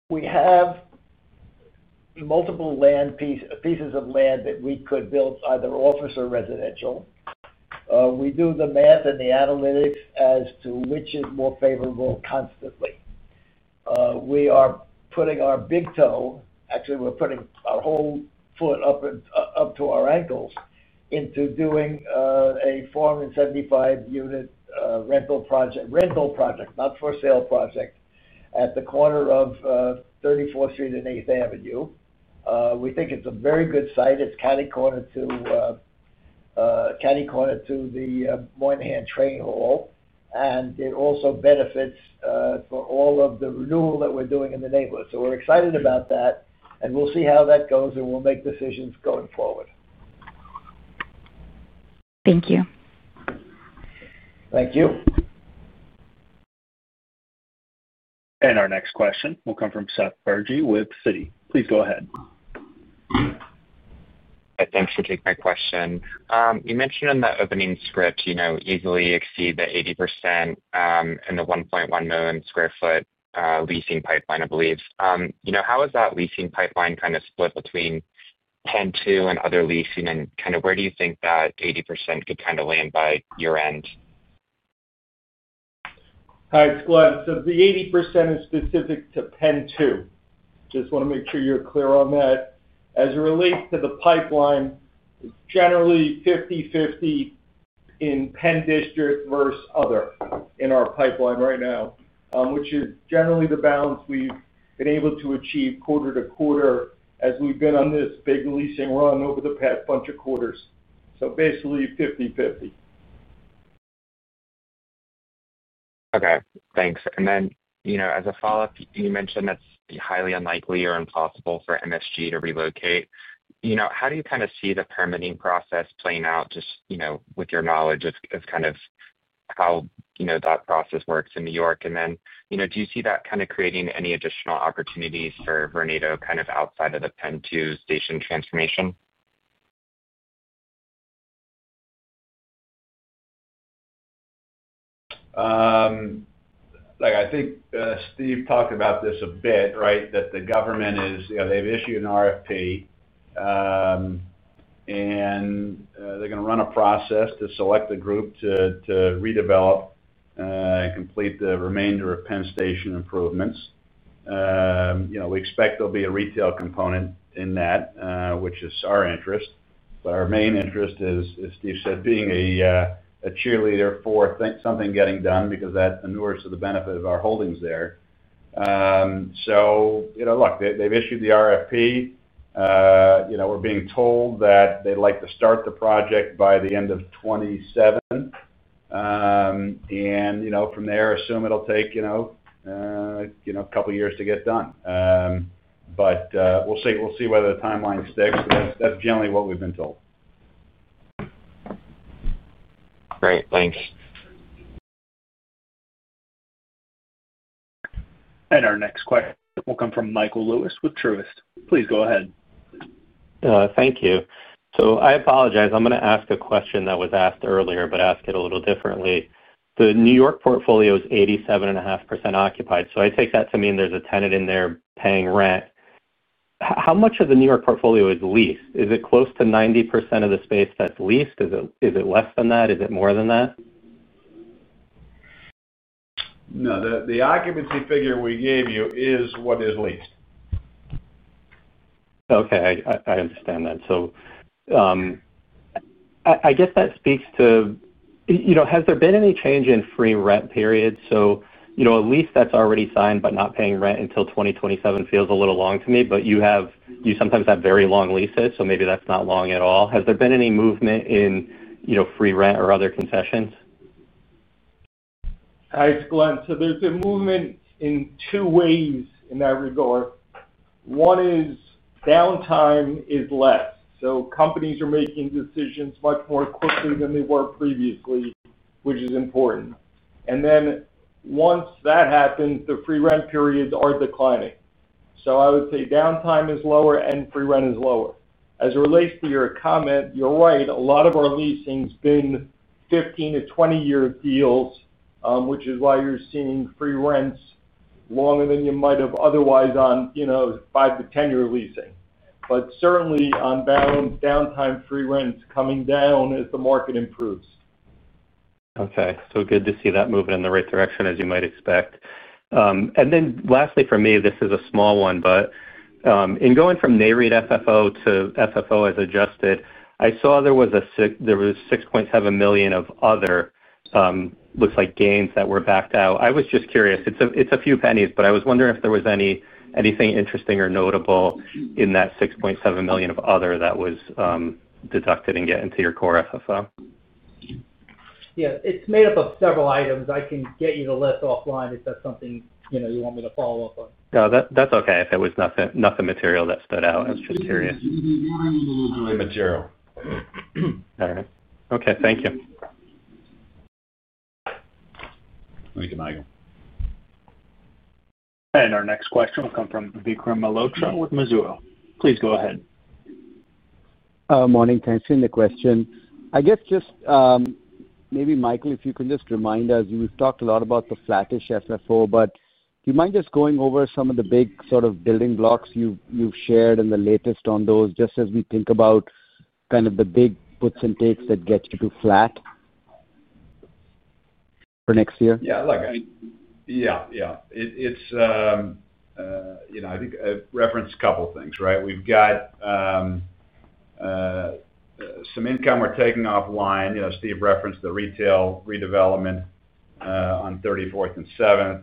We have multiple pieces of land that we could build either office or residential. We do the math and the analytics as to which is more favorable constantly. We are putting our big toe, actually, we're putting our whole foot up to our ankles, into doing a 475-unit rental project, rental project, not for-sale project at the corner of 34th Street and 8th Avenue. We think it's a very good site. It's catty-corner to the Moynihan Train Hall. And it also benefits for all of the renewal that we're doing in the neighborhood. So we're excited about that. And we'll see how that goes, and we'll make decisions going forward. Thank you. Thank you. And our next question will come from Seth Bergey with Citi. Please go ahead. Thanks for taking my question. You mentioned in the opening script, easily exceed the 80% in the 1.1 million sq ft leasing pipeline, I believe. How is that leasing pipeline kind of split between Penn 2 and other leasing? And kind of where do you think that 80% could kind of land by your end? Hi, it's Glen. So the 80% is specific to Penn 2. Just want to make sure you're clear on that. As it relates to the pipeline, it's generally 50/50 in Penn District versus other in our pipeline right now, which is generally the balance we've been able to achieve quarter to quarter as we've been on this big leasing run over the past bunch of quarters. So basically, 50/50. Okay. Thanks. Then as a follow-up, you mentioned that's highly unlikely or impossible for MSG to relocate. How do you kind of see the permitting process playing out just with your knowledge of kind of how that process works in New York? And then do you see that kind of creating any additional opportunities for Vornado kind of outside of the Penn Station transformation? I think Steve talked about this a bit, right, that the government is they've issued an RFP. And they're going to run a process to select the group to redevelop and complete the remainder of Penn Station improvements. We expect there'll be a retail component in that, which is our interest. But our main interest is, as Steve said, being a cheerleader for something getting done because that endures to the benefit of our holdings there. So look, they've issued the RFP. We're being told that they'd like to start the project by the end of 2027. And from there, assume it'll take a couple of years to get done. But we'll see whether the timeline sticks. That's generally what we've been told. Great. Thanks. And our next question will come from Michael Lewis with Truist. Please go ahead. Thank you. So I apologize. I'm going to ask a question that was asked earlier, but ask it a little differently. The New York portfolio is 87.5% occupied. So I take that to mean there's a tenant in there paying rent. How much of the New York portfolio is leased? Is it close to 90% of the space that's leased? Is it less than that? Is it more than that? No, the occupancy figure we gave you is what is leased. Okay. I understand that. So I guess that speaks to has there been any change in free rent period? So a lease that's already signed but not paying rent until 2027 feels a little long to me, but you sometimes have very long leases, so maybe that's not long at all. Has there been any movement in free rent or other concessions? Hi, Glen. So there's a movement in two ways in that regard. One is downtime is less. So companies are making decisions much more quickly than they were previously, which is important. And then once that happens, the free rent periods are declining. So I would say downtime is lower and free rent is lower. As it relates to your comment, you're right. A lot of our leasing's been 15- to 20-year deals, which is why you're seeing free rents longer than you might have otherwise on 5- to 10-year leasing. But certainly, on downtime free rents coming down as the market improves. Okay. So good to see that moving in the right direction, as you might expect. And then lastly, for me, this is a small one, but in going from GAAP FFO to FFO as adjusted, I saw there was $6.7 million of other, looks like, gains that were backed out. I was just curious. It's a few pennies, but I was wondering if there was anything interesting or notable in that $6.7 million of other that was deducted and get into your core FFO. Yeah. It's made up of several items. I can get you the list offline if that's something you want me to follow up on. No, that's okay if it was nothing material that stood out. I was just curious. Material. All right. Okay. Thank you. Thank you, Michael. And our next question will come from Vikram Malhotra with Mizuho. Please go ahead. Morning, everyone. The question, I guess, just. Maybe Michael, if you can just remind us, you've talked a lot about the flattish FFO, but do you mind just going over some of the big sort of building blocks you've shared and the latest on those just as we think about kind of the big puts and takes that get you to flat for next year? Yeah. Yeah. Yeah. It's. I think I referenced a couple of things, right? We've got. Some income we're taking offline. Steve referenced the retail redevelopment on 34th and 7th.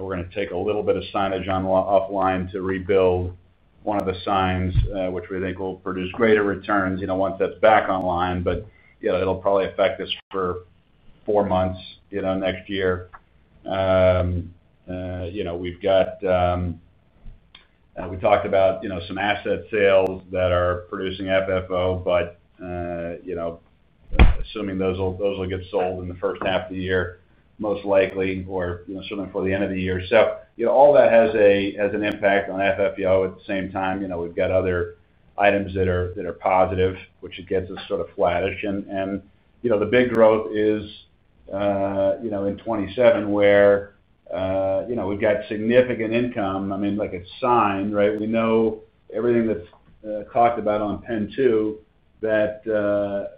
We're going to take a little bit of signage offline to rebuild one of the signs, which we think will produce greater returns once that's back online. But it'll probably affect us for four months next year. We've got. We talked about some asset sales that are producing FFO, but. Assuming those will get sold in the first half of the year, most likely, or certainly for the end of the year. So all that has an impact on FFO at the same time. We've got other items that are positive, which gets us sort of flattish. And the big growth is in 2027 where. We've got significant income. I mean, like a sign, right? We know everything that's talked about on Penn 2, that.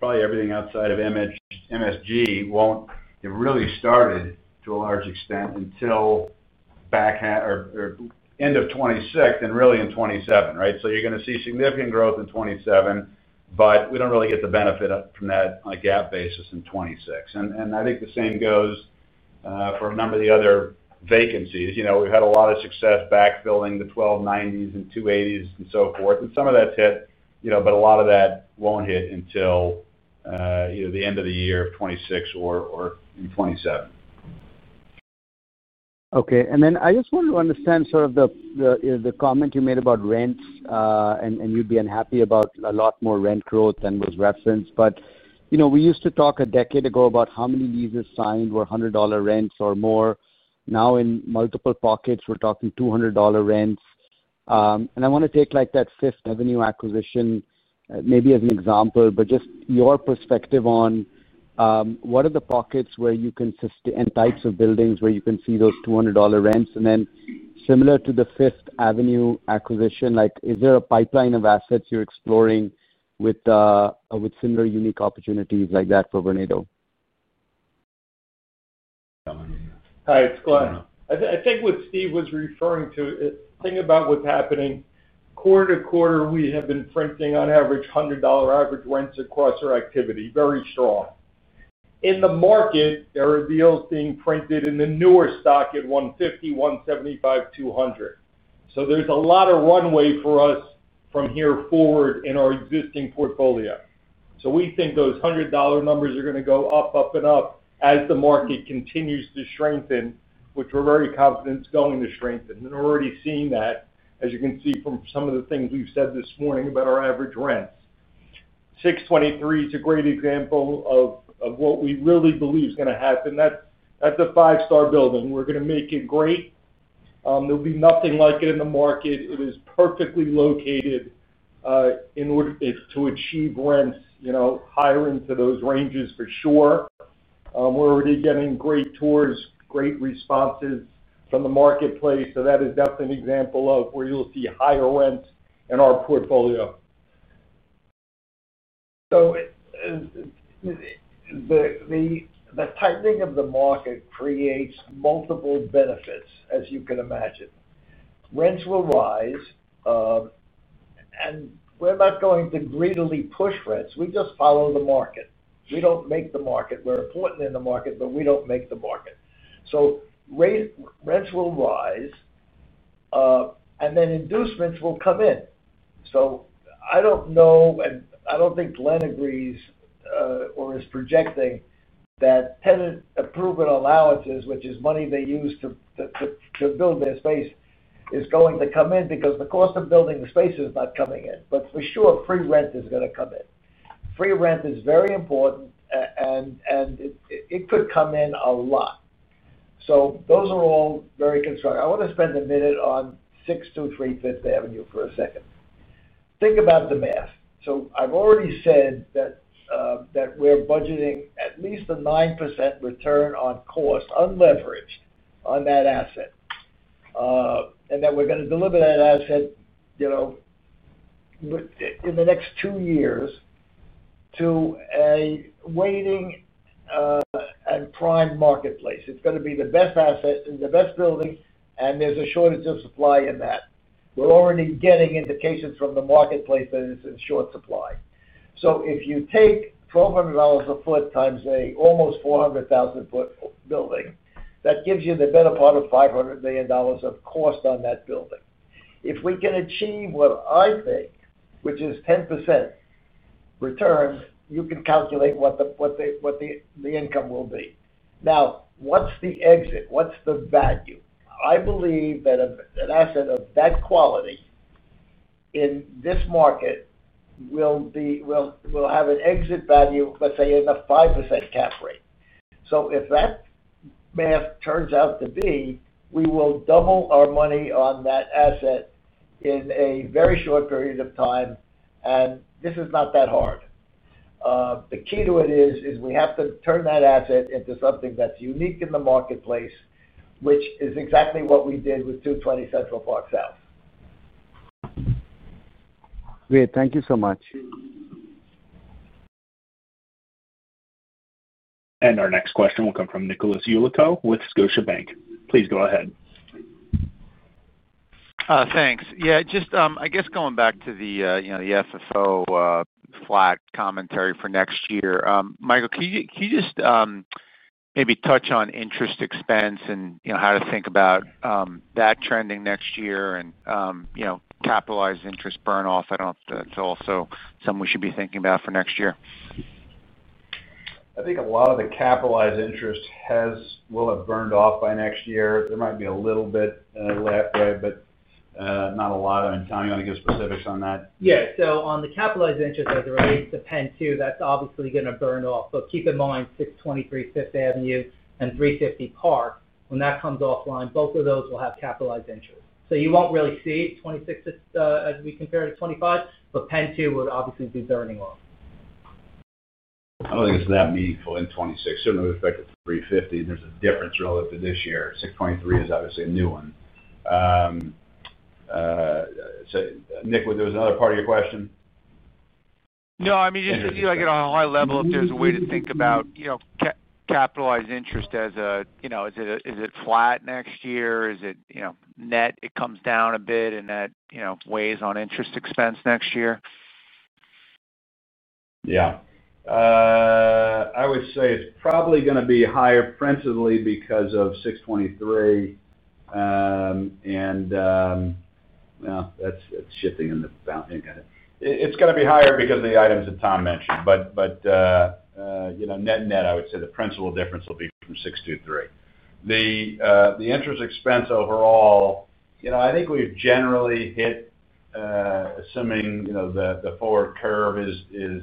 Probably everything outside of MSG won't get really started to a large extent until end of 2026 and really in 2027, right? So you're going to see significant growth in 2027, but we don't really get the benefit from that on a GAAP basis in 2026. And I think the same goes for a number of the other vacancies. We've had a lot of success backfilling the 1290s and 280s and so forth. And some of that's hit, but a lot of that won't hit until the end of the year of 2026 or in 2027. Okay. And then I just wanted to understand sort of the comment you made about rents, and you'd be unhappy about a lot more rent growth than was referenced. But we used to talk a decade ago about how many leases signed were $100 rents or more. Now, in multiple pockets, we're talking $200 rents. And I want to take that Fifth Avenue acquisition maybe as an example, but just your perspective on. What are the pockets where you can and types of buildings where you can see those $200 rents? And then similar to the Fifth Avenue acquisition, is there a pipeline of assets you're exploring with similar unique opportunities like that for Vornado? Hi, it's Glen. I think what Steve was referring to, think about what's happening. Quarter to quarter, we have been printing, on average, $100 average rents across our activity. Very strong. In the market, there are deals being printed in the newer stock at 150, 175, 200. So there's a lot of runway for us from here forward in our existing portfolio. So we think those $100 numbers are going to go up, up, and up as the market continues to strengthen, which we're very confident it's going to strengthen. And we're already seeing that, as you can see from some of the things we've said this morning about our average rents. 623 is a great example of what we really believe is going to happen. That's a five-star building. We're going to make it great. There'll be nothing like it in the market. It is perfectly located. In order to achieve rents higher into those ranges for sure. We're already getting great tours, great responses from the marketplace. So that is definitely an example of where you'll see higher rents in our portfolio. So. The tightening of the market creates multiple benefits, as you can imagine. Rents will rise. And we're not going to greedily push rents. We just follow the market. We don't make the market. We're important in the market, but we don't make the market. So. Rents will rise. And then inducements will come in. So I don't know, and I don't think Glen agrees. Or is projecting that tenant approval allowances, which is money they use to build their space, is going to come in because the cost of building the space is not coming in. But for sure, free rent is going to come in. Free rent is very important, and it could come in a lot. So those are all very constructive. I want to spend a minute on 623 Fifth Avenue for a second. Think about the math. So I've already said that. We're budgeting at least a 9% return on cost, unleveraged, on that asset. And that we're going to deliver that asset in the next two years to a waiting and prime marketplace. It's going to be the best asset and the best building, and there's a shortage of supply in that. We're already getting indications from the marketplace that it's in short supply. So if you take $1,200 a sq ft times an almost 400,000 sq ft building, that gives you the better part of $500 million of cost on that building. If we can achieve what I think, which is 10% return, you can calculate what the income will be. Now, what's the exit? What's the value? I believe that an asset of that quality in this market will. Have an exit value, let's say, in the 5% cap rate. So if that math turns out to be, we will double our money on that asset in a very short period of time, and this is not that hard. The key to it is we have to turn that asset into something that's unique in the marketplace, which is exactly what we did with 220 Central Park South. Great. Thank you so much. Our next question will come from Nicholas Yulico with Scotiabank. Please go ahead. Thanks. Yeah. Just, I guess, going back to the FFO flat commentary for next year. Michael, can you just maybe touch on interest expense and how to think about that trending next year and capitalized interest burn-off? I don't know if that's also something we should be thinking about for next year. I think a lot of the capitalized interest will have burned off by next year. There might be a little bit left there, but not a lot. I mean, Tom, you want to give specifics on that? Yeah. So on the capitalized interest, as it relates to Penn 2, that's obviously going to burn off. But keep in mind 623 Fifth Avenue and 350 Park. When that comes offline, both of those will have capitalized interest. So you won't really see it in 2026 as we compare to 2025, but Penn 2 would obviously be burning off. I don't think it's that meaningful in 2026. Certainly, we've affected 350, and there's a difference relative to this year. 623 is obviously a new one. So Nick, was there another part of your question? No, I mean, just to give you a high level, if there's a way to think about capitalized interest as a, is it flat next year? Is it net? It comes down a bit, and that weighs on interest expense next year? Yeah. I would say it's probably going to be higher, principally because of 623. And that's shifting in the boundary. It's going to be higher because of the items that Tom mentioned. But net net, I would say the principal difference will be from 623. The interest expense overall, I think we've generally hit assuming the forward curve is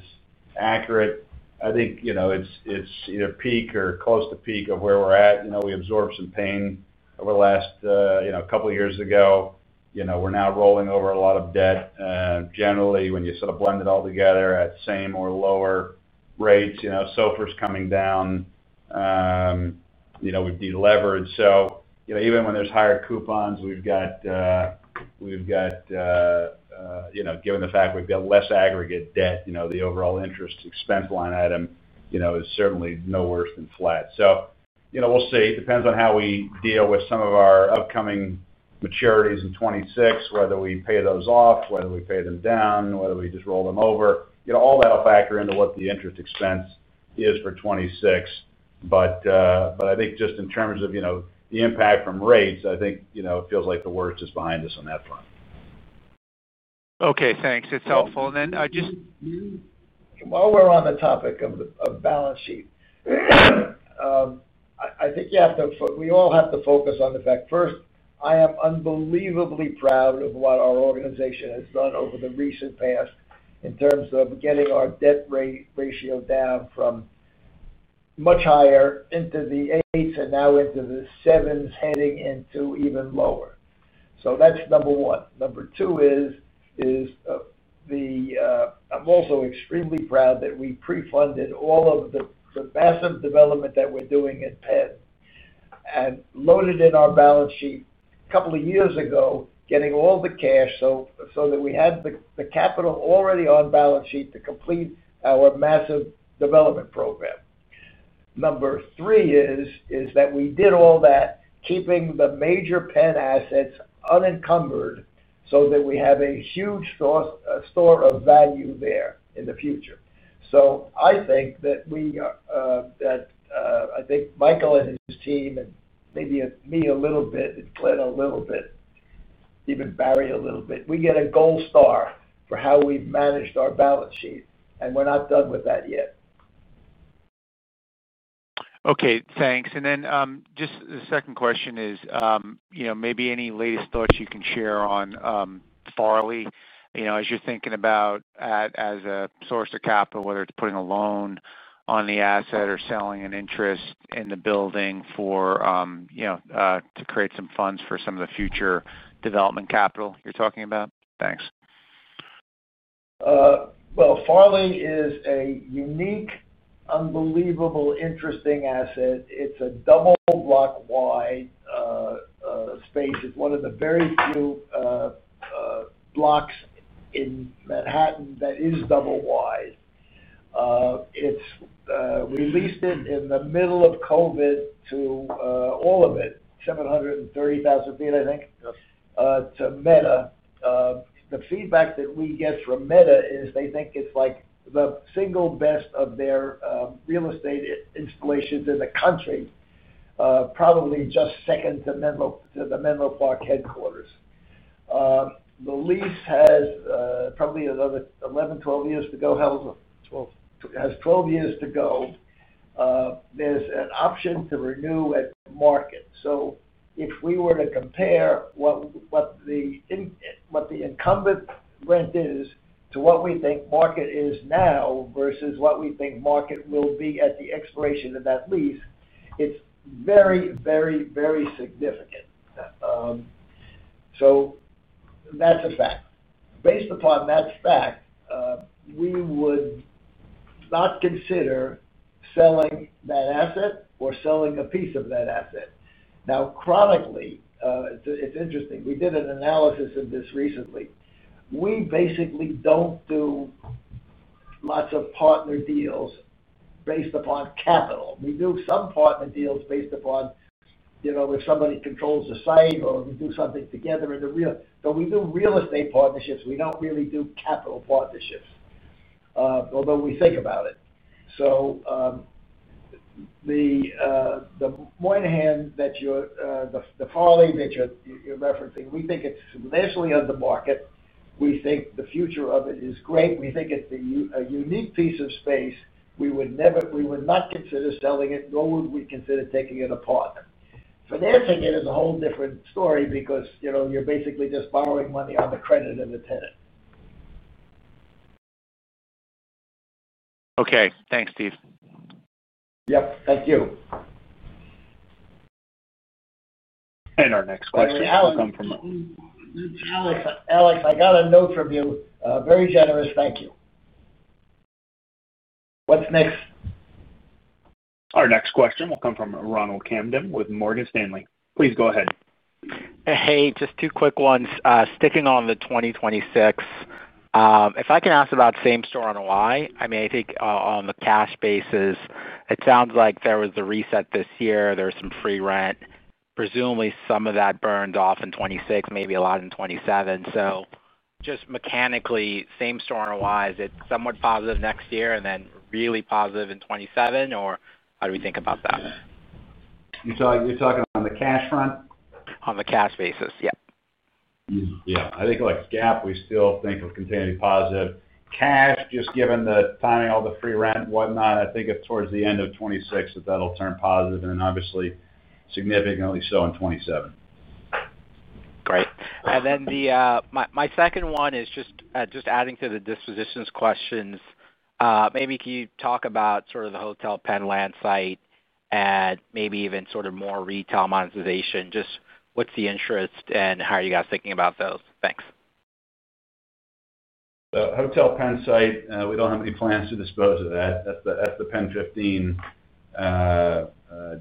accurate. I think it's either peak or close to peak of where we're at. We absorbed some pain over the last couple of years ago. We're now rolling over a lot of debt. Generally, when you sort of blend it all together at same or lower rates, so it's coming down. We've deleveraged. So even when there's higher coupons, we've got given the fact we've got less aggregate debt, the overall interest expense line item is certainly no worse than flat. So we'll see. It depends on how we deal with some of our upcoming maturities in 2026, whether we pay those off, whether we pay them down, whether we just roll them over. All that will factor into what the interest expense is for 2026. But I think just in terms of the impact from rates, I think it feels like the worst is behind us on that front. Okay. Thanks. It's helpful. And then just while we're on the topic of the balance sheet. I think we all have to focus on the fact. First, I am unbelievably proud of what our organization has done over the recent past in terms of getting our debt ratio down from much higher into the eights and now into the sevens, heading into even lower. So that's number one. Number two is. I'm also extremely proud that we pre-funded all of the massive development that we're doing at Penn and loaded in our balance sheet a couple of years ago, getting all the cash so that we had the capital already on balance sheet to complete our massive development program. Number three is that we did all that, keeping the major Penn assets unencumbered so that we have a huge store of value there in the future. So I think Michael and his team and maybe me a little bit and Glen a little bit, even Barry a little bit, we get a gold star for how we've managed our balance sheet, and we're not done with that yet. Okay. Thanks. And then just the second question is. Maybe any latest thoughts you can share on Farley as you're thinking about as a source of capital, whether it's putting a loan on the asset or selling an interest in the building to create some funds for some of the future development capital you're talking about? Thanks. Well, Farley is a unique, unbelievably interesting asset. It's a double-block wide space. It's one of the very few blocks in Manhattan that is double-wide. We leased it in the middle of COVID to all of it, 730,000 sq ft, I think, to Meta. The feedback that we get from Meta is they think it's like the single best of their real estate installations in the country, probably just second to the Menlo Park headquarters. The lease has probably another 11-12 years to go. Has 12 years to go. There's an option to renew at market. So if we were to compare what the incumbent rent is to what we think market is now versus what we think market will be at the expiration of that lease, it's very, very, very significant. So that's a fact. Based upon that fact we would not consider selling that asset or selling a piece of that asset. Now, currently, it's interesting. We did an analysis of this recently. We basically don't do lots of partner deals based upon capital. We do some partner deals based upon if somebody controls the site or we do something together in the real so we do real estate partnerships. We don't really do capital partnerships. Although we think about it. So the. Moynihan, that you're referencing the Farley, we think it's not really on the market. We think the future of it is great. We think it's a unique piece of space. We would not consider selling it, nor would we consider taking it apart. Financing it is a whole different story because you're basically just borrowing money on the credit of the tenant. Okay. Thanks, Steve. Yep. Thank you. And our next question will come from. Alex, I got a note from you. Very generous. Thank you. What's next? Our next question will come from Ronald Kamden with Morgan Stanley. Please go ahead. Hey, just two quick ones. Sticking on the 2026. If I can ask about same store on Y, I mean, I think on the cash basis, it sounds like there was a reset this year. There's some free rent. Presumably, some of that burned off in 2026, maybe a lot in 2027. So just mechanically, same store on Y, is it somewhat positive next year and then really positive in 2027, or how do we think about that? You're talking on the cash front? On the cash basis, yep. Yeah. I think we still think of continuing to be positive. Cash, just given the timing, all the free rent, whatnot, I think it's towards the end of 2026 that that'll turn positive and then obviously significantly so in 2027. Great. And then my second one is just adding to the dispositions questions. Maybe can you talk about sort of the Hotel Penn land site and maybe even sort of more retail monetization? Just what's the interest and how are you guys thinking about those? Thanks. The Hotel Penn site, we don't have any plans to dispose of that. That's the Penn 15.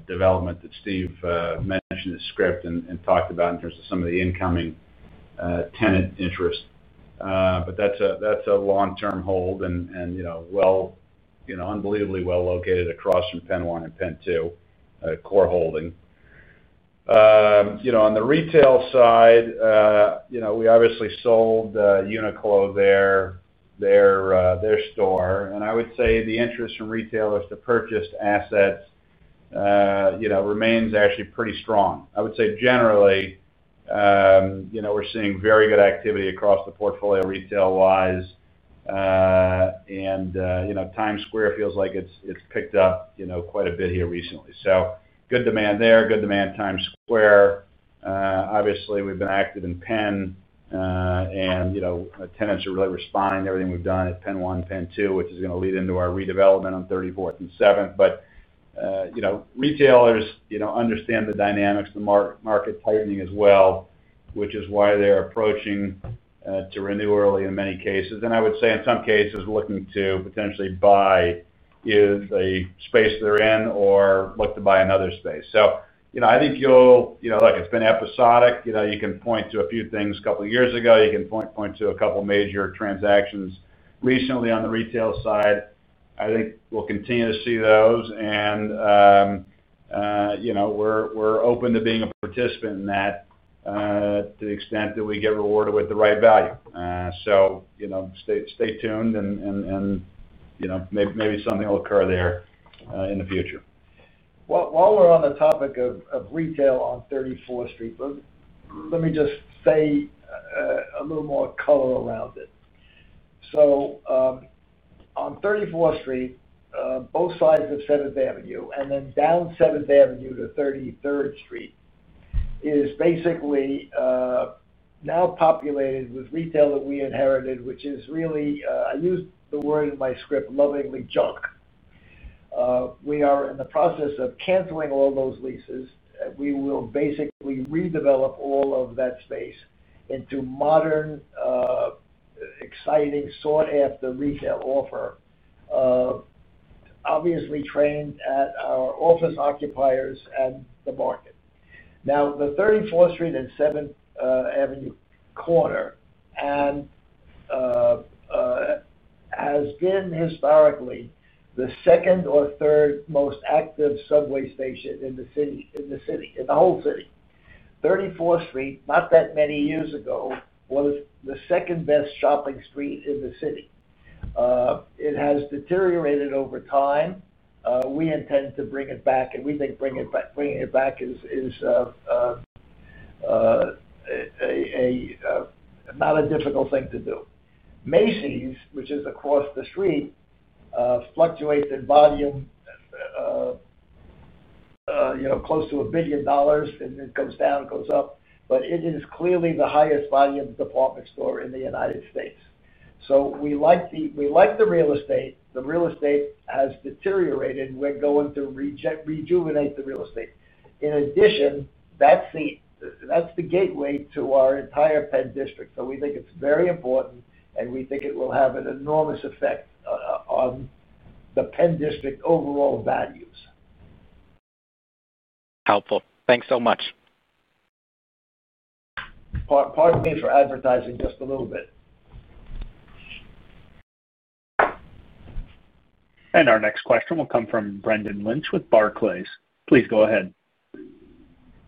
Development that Steve mentioned in the script and talked about in terms of some of the incoming. Tenant interest. But that's a long-term hold and. Unbelievably well located across from Penn 1 and Penn 2, core holding. On the retail side, we obviously sold Uniqlo there. Their store. And I would say the interest from retailers to purchase assets. Remains actually pretty strong. I would say generally. We're seeing very good activity across the portfolio retail-wise. And Times Square feels like it's picked up quite a bit here recently. So good demand there, good demand Times Square. Obviously, we've been active in Penn. And. Tenants are really responding to everything we've done at Penn 1, Penn 2, which is going to lead into our redevelopment on 34th and 7th. But. Retailers understand the dynamics, the market tightening as well, which is why they're approaching to renew early in many cases. And I would say in some cases, looking to potentially buy. The space they're in or look to buy another space. So I think you'll look, it's been episodic. You can point to a few things a couple of years ago. You can point to a couple of major transactions recently on the retail side. I think we'll continue to see those. We're open to being a participant in that. To the extent that we get rewarded with the right value. Stay tuned and maybe something will occur there in the future. While we're on the topic of retail on 34th Street, let me just say a little more color around it. On 34th Street, both sides of 7th Avenue and then down 7th Avenue to 33rd Street is basically now populated with retail that we inherited, which is really I used the word in my script, lovingly junk. We are in the process of canceling all those leases. We will basically redevelop all of that space into modern exciting, sought-after retail offer. Obviously tailored to our office occupiers and the market. Now, the 34th Street and 7th Avenue corner has been historically the second or third most active subway station in the city. In the whole city. 34th Street, not that many years ago, was the second best shopping street in the city. It has deteriorated over time. We intend to bring it back, and we think bringing it back is not a difficult thing to do. Macy's, which is across the street, fluctuates in volume close to a billion dollars, and it goes down, goes up. But it is clearly the highest volume department store in the United States. We like the real estate. The real estate has deteriorated. We're going to rejuvenate the real estate. In addition, that's the gateway to our entire Penn District. We think it's very important, and we think it will have an enormous effect on the Penn District overall values. Helpful. Thanks so much. And our next question will come from Brendan Lynch with Barclays. Please go ahead.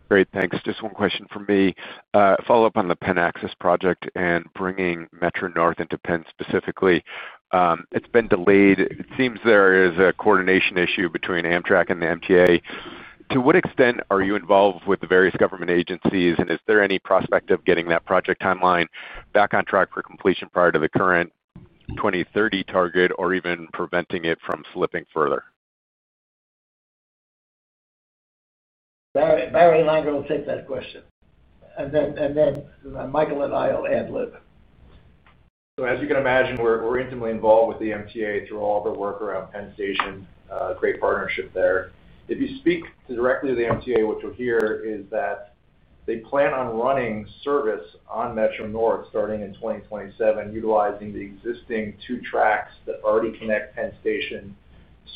Great. Thanks. Just one question for me. Follow up on the Penn Access project and bringing Metro North into Penn specifically. It's been delayed. It seems there is a coordination issue between Amtrak and the MTA. To what extent are you involved with the various government agencies, and is there any prospect of getting that project timeline back on track for completion prior to the current 2030 target or even preventing it from slipping further? Barry Gosin will take that question. And then Michael and I will ad lib. As you can imagine, we're intimately involved with the MTA through all of our work around Penn Station, a great partnership there. If you speak directly to the MTA, what you'll hear is that they plan on running service on Metro North starting in 2027, utilizing the existing two tracks that already connect Penn Station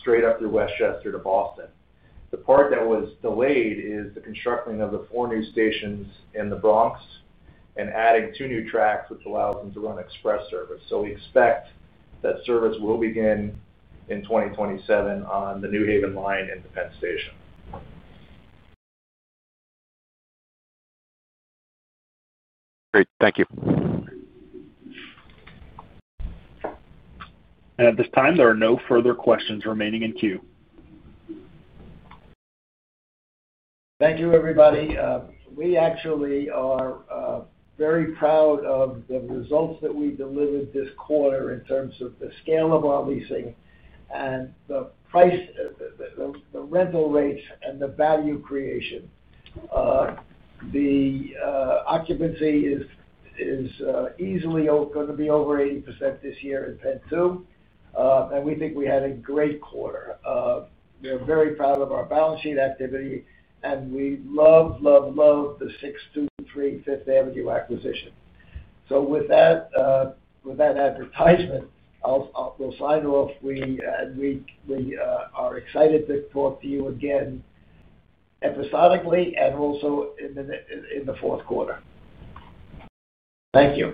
straight up through Westchester to Boston. The part that was delayed is the construction of the four new stations in the Bronx and adding two new tracks, which allows them to run express service. So we expect that service will begin in 2027 on the New Haven line into Penn Station. Great. Thank you, and at this time, there are no further questions remaining in queue. Thank you, everybody. We actually are very proud of the results that we delivered this quarter in terms of the scale of our leasing and the rental rates and the value creation. The occupancy is easily going to be over 80% this year in Penn 2, and we think we had a great quarter. We're very proud of our balance sheet activity, and we love, love, love the 6th, 2nd, 3rd, and 5th Avenue acquisition, so with that, adjournment. We'll sign off. We are excited to talk to you again periodically and also in the fourth quarter. Thank you.